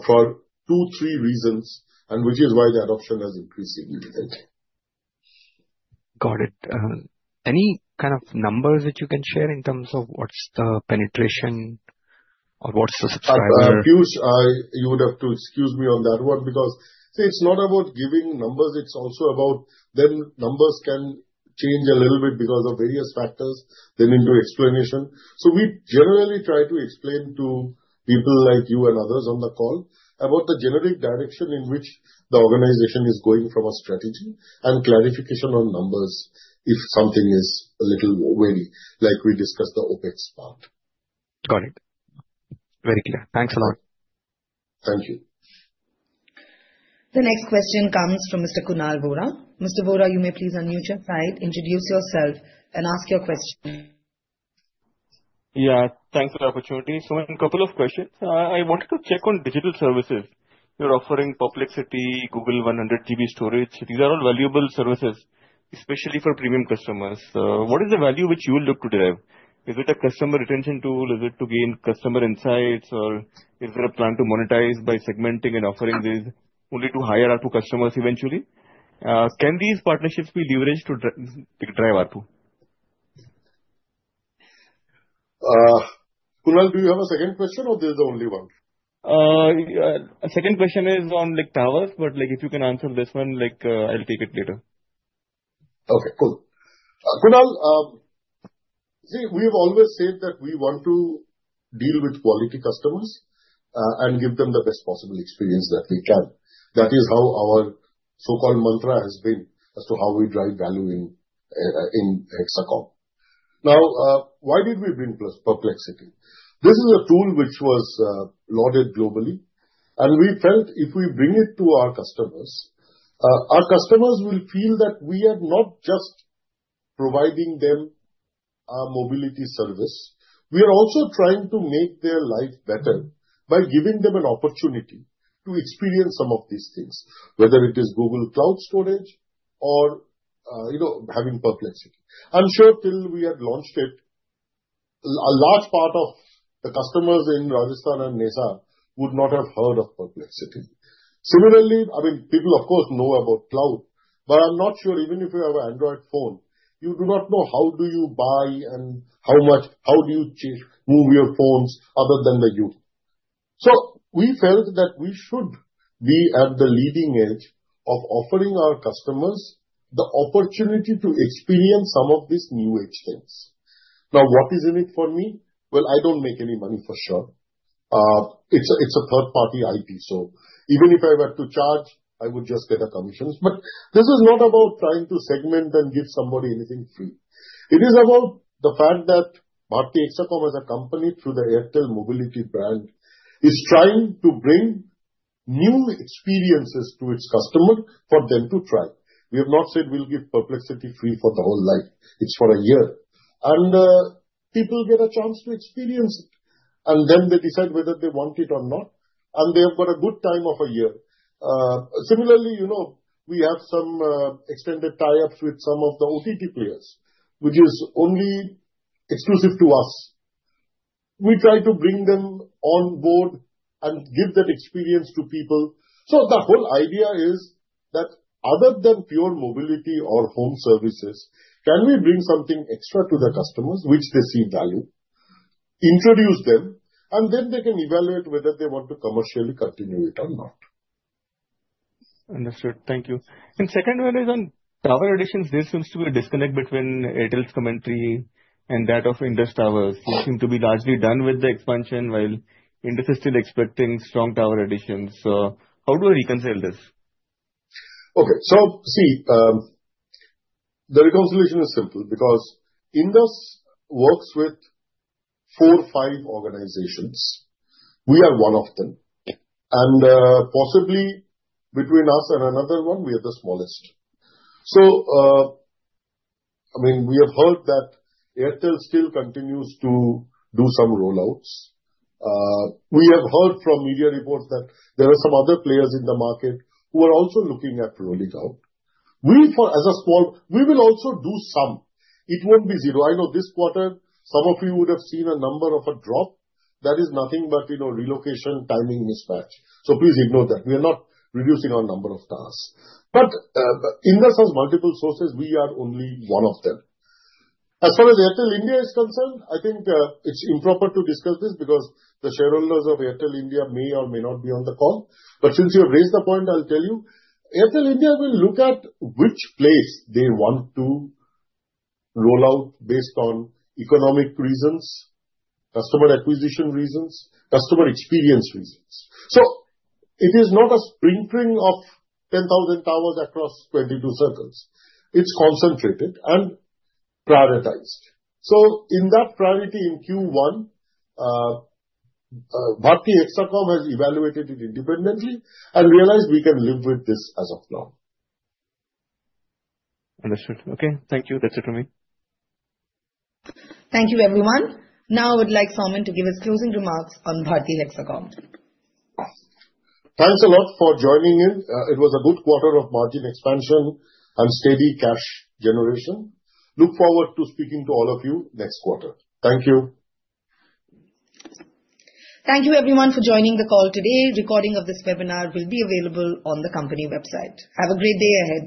S7: for two, three reasons, which is why the adoption has increased significantly.
S4: Got it. Any kind of numbers that you can share in terms of what's the penetration or what's the subscriber?
S7: You would have to excuse me on that one because it's not about giving numbers. It's also about then numbers can change a little bit because of various factors, then into explanation. We generally try to explain to people like you and others on the call about the generic direction in which the organization is going from a strategy and clarification on numbers. If something is a little weary, like we discussed the OpEx part.
S4: Got it. Very clear. Thanks a lot.
S7: Thank you.
S1: The next question comes from Mr. Kunal Vora. Mr. Vora, you may please unmute your line, introduce yourself, and ask your question.
S11: Yeah, thanks for the opportunity. A couple of questions I wanted to check on digital services. You're offering popular city, Google 100GB storage. These are all valuable services, especially for premium customers. What is the value which you look to derive? Is it a customer retention tool? Is it to gain customer insights? Or is there a plan to monetize by segmenting and offering these only to higher ARPU customers eventually? Can these partnerships be leveraged to drive ARPU?
S7: Kunal, do you have a second question or this is the only one?
S11: Second question is on Towers, if you can answer this one. I'll take it later.
S7: Okay, cool. Kunal. See, we've always said that we want to deal with quality customers and give them the best possible experience that they can. That is how our so-called mantra has been as to how we drive value in Hexacom. Now, why did we bring Perplexity? This is a tool which was lauded globally, and we felt if we bring it to our customers, our customers will feel that we are not just providing them a mobile service, we are also trying to make their life better by giving them an opportunity to experience some of these things. Whether it is Google cloud storage or, you know, having population. I'm sure till we had launched it, a large part of the customers in Rajasthan and Nesar would not have heard of Next City. Similarly, I mean, people of course know about cloud, but I'm not sure even if you have an Android phone, you do not know how do you buy and how much, how do you move your phones other than the use. We felt that we should be at the leading edge of offering our customers the opportunity to experience some of these new age things. Now, what is in it for me? I don't make any money for sure. It's a third party IP, so even if I were to charge, I would just get a commission. This was not about trying to segment and give somebody anything from. It is about the fact that Bharti Hexacom as a company through the Airtel Mobility brand is trying to bring new experiences to its customer for them to try. We have not said we'll give Perplexity free for the whole life. It's for a year, and people get a chance to experience and then they decide whether they want it or not, and they have got a good time of a year. Similarly, we have some extended tie-ups with some of the OTT players which is only exclusive to us. We try to bring them on board and give that experience to people. The whole idea is that other than pure mobile services or homes and office business, can we bring something extra to the customers which they see value, introduce them, and then they can evaluate whether they want to commercially continue it or not.
S11: Understood. Thank you. The second one is on tower additions. There seems to be a disconnect between Airtel's commentary and that of Indus Towers, who seem to be largely done with the expansion, while Indus is still expecting strong tower additions. How do I reconcile this?
S7: Okay, see the reconciliation is simple because Indus works with four, five organizations. We are one of them and possibly between us and another one, we are the smallest. I mean we have heard that Airtel still continues to do some rollouts. We have heard from media reports that there are some other players in the market who are also looking at rolling down. We, as a small, we will also do some, it won't be zero. I know this quarter some of you would have seen a number of a drop, that is nothing but relocation, timing, mismatch. Please ignore that, we are not reducing our number of towers. Indus has multiple sources. We are only one of them. As far as Airtel India is concerned, I think it's improper to discuss this because the shareholders of Airtel India may or may not be on the call. Since you have raised the point, I'll tell you, Airtel India will look at which place they want to roll out based on economic reasons, customer acquisition reasons, customer experience reasons. It is not a spring of 10,000 towers across 22 circles. It's concentrated and prioritized. In that priority in Q1, Bharti Hexacom has evaluated it independently and realized we can live with this as of now.
S11: Understood. Okay, thank you. That's it for me.
S1: Thank you everyone. Now I would like Soumen to give his closing remarks on Bharti Hexacom.
S7: Thanks a lot for joining in. It was a good quarter of margin expansion and steady cash generation. Look forward to speaking to all of you next quarter. Thank you.
S1: Thank you everyone for joining the call today. Recording of this webinar will be available on the company website. Have a great day ahead.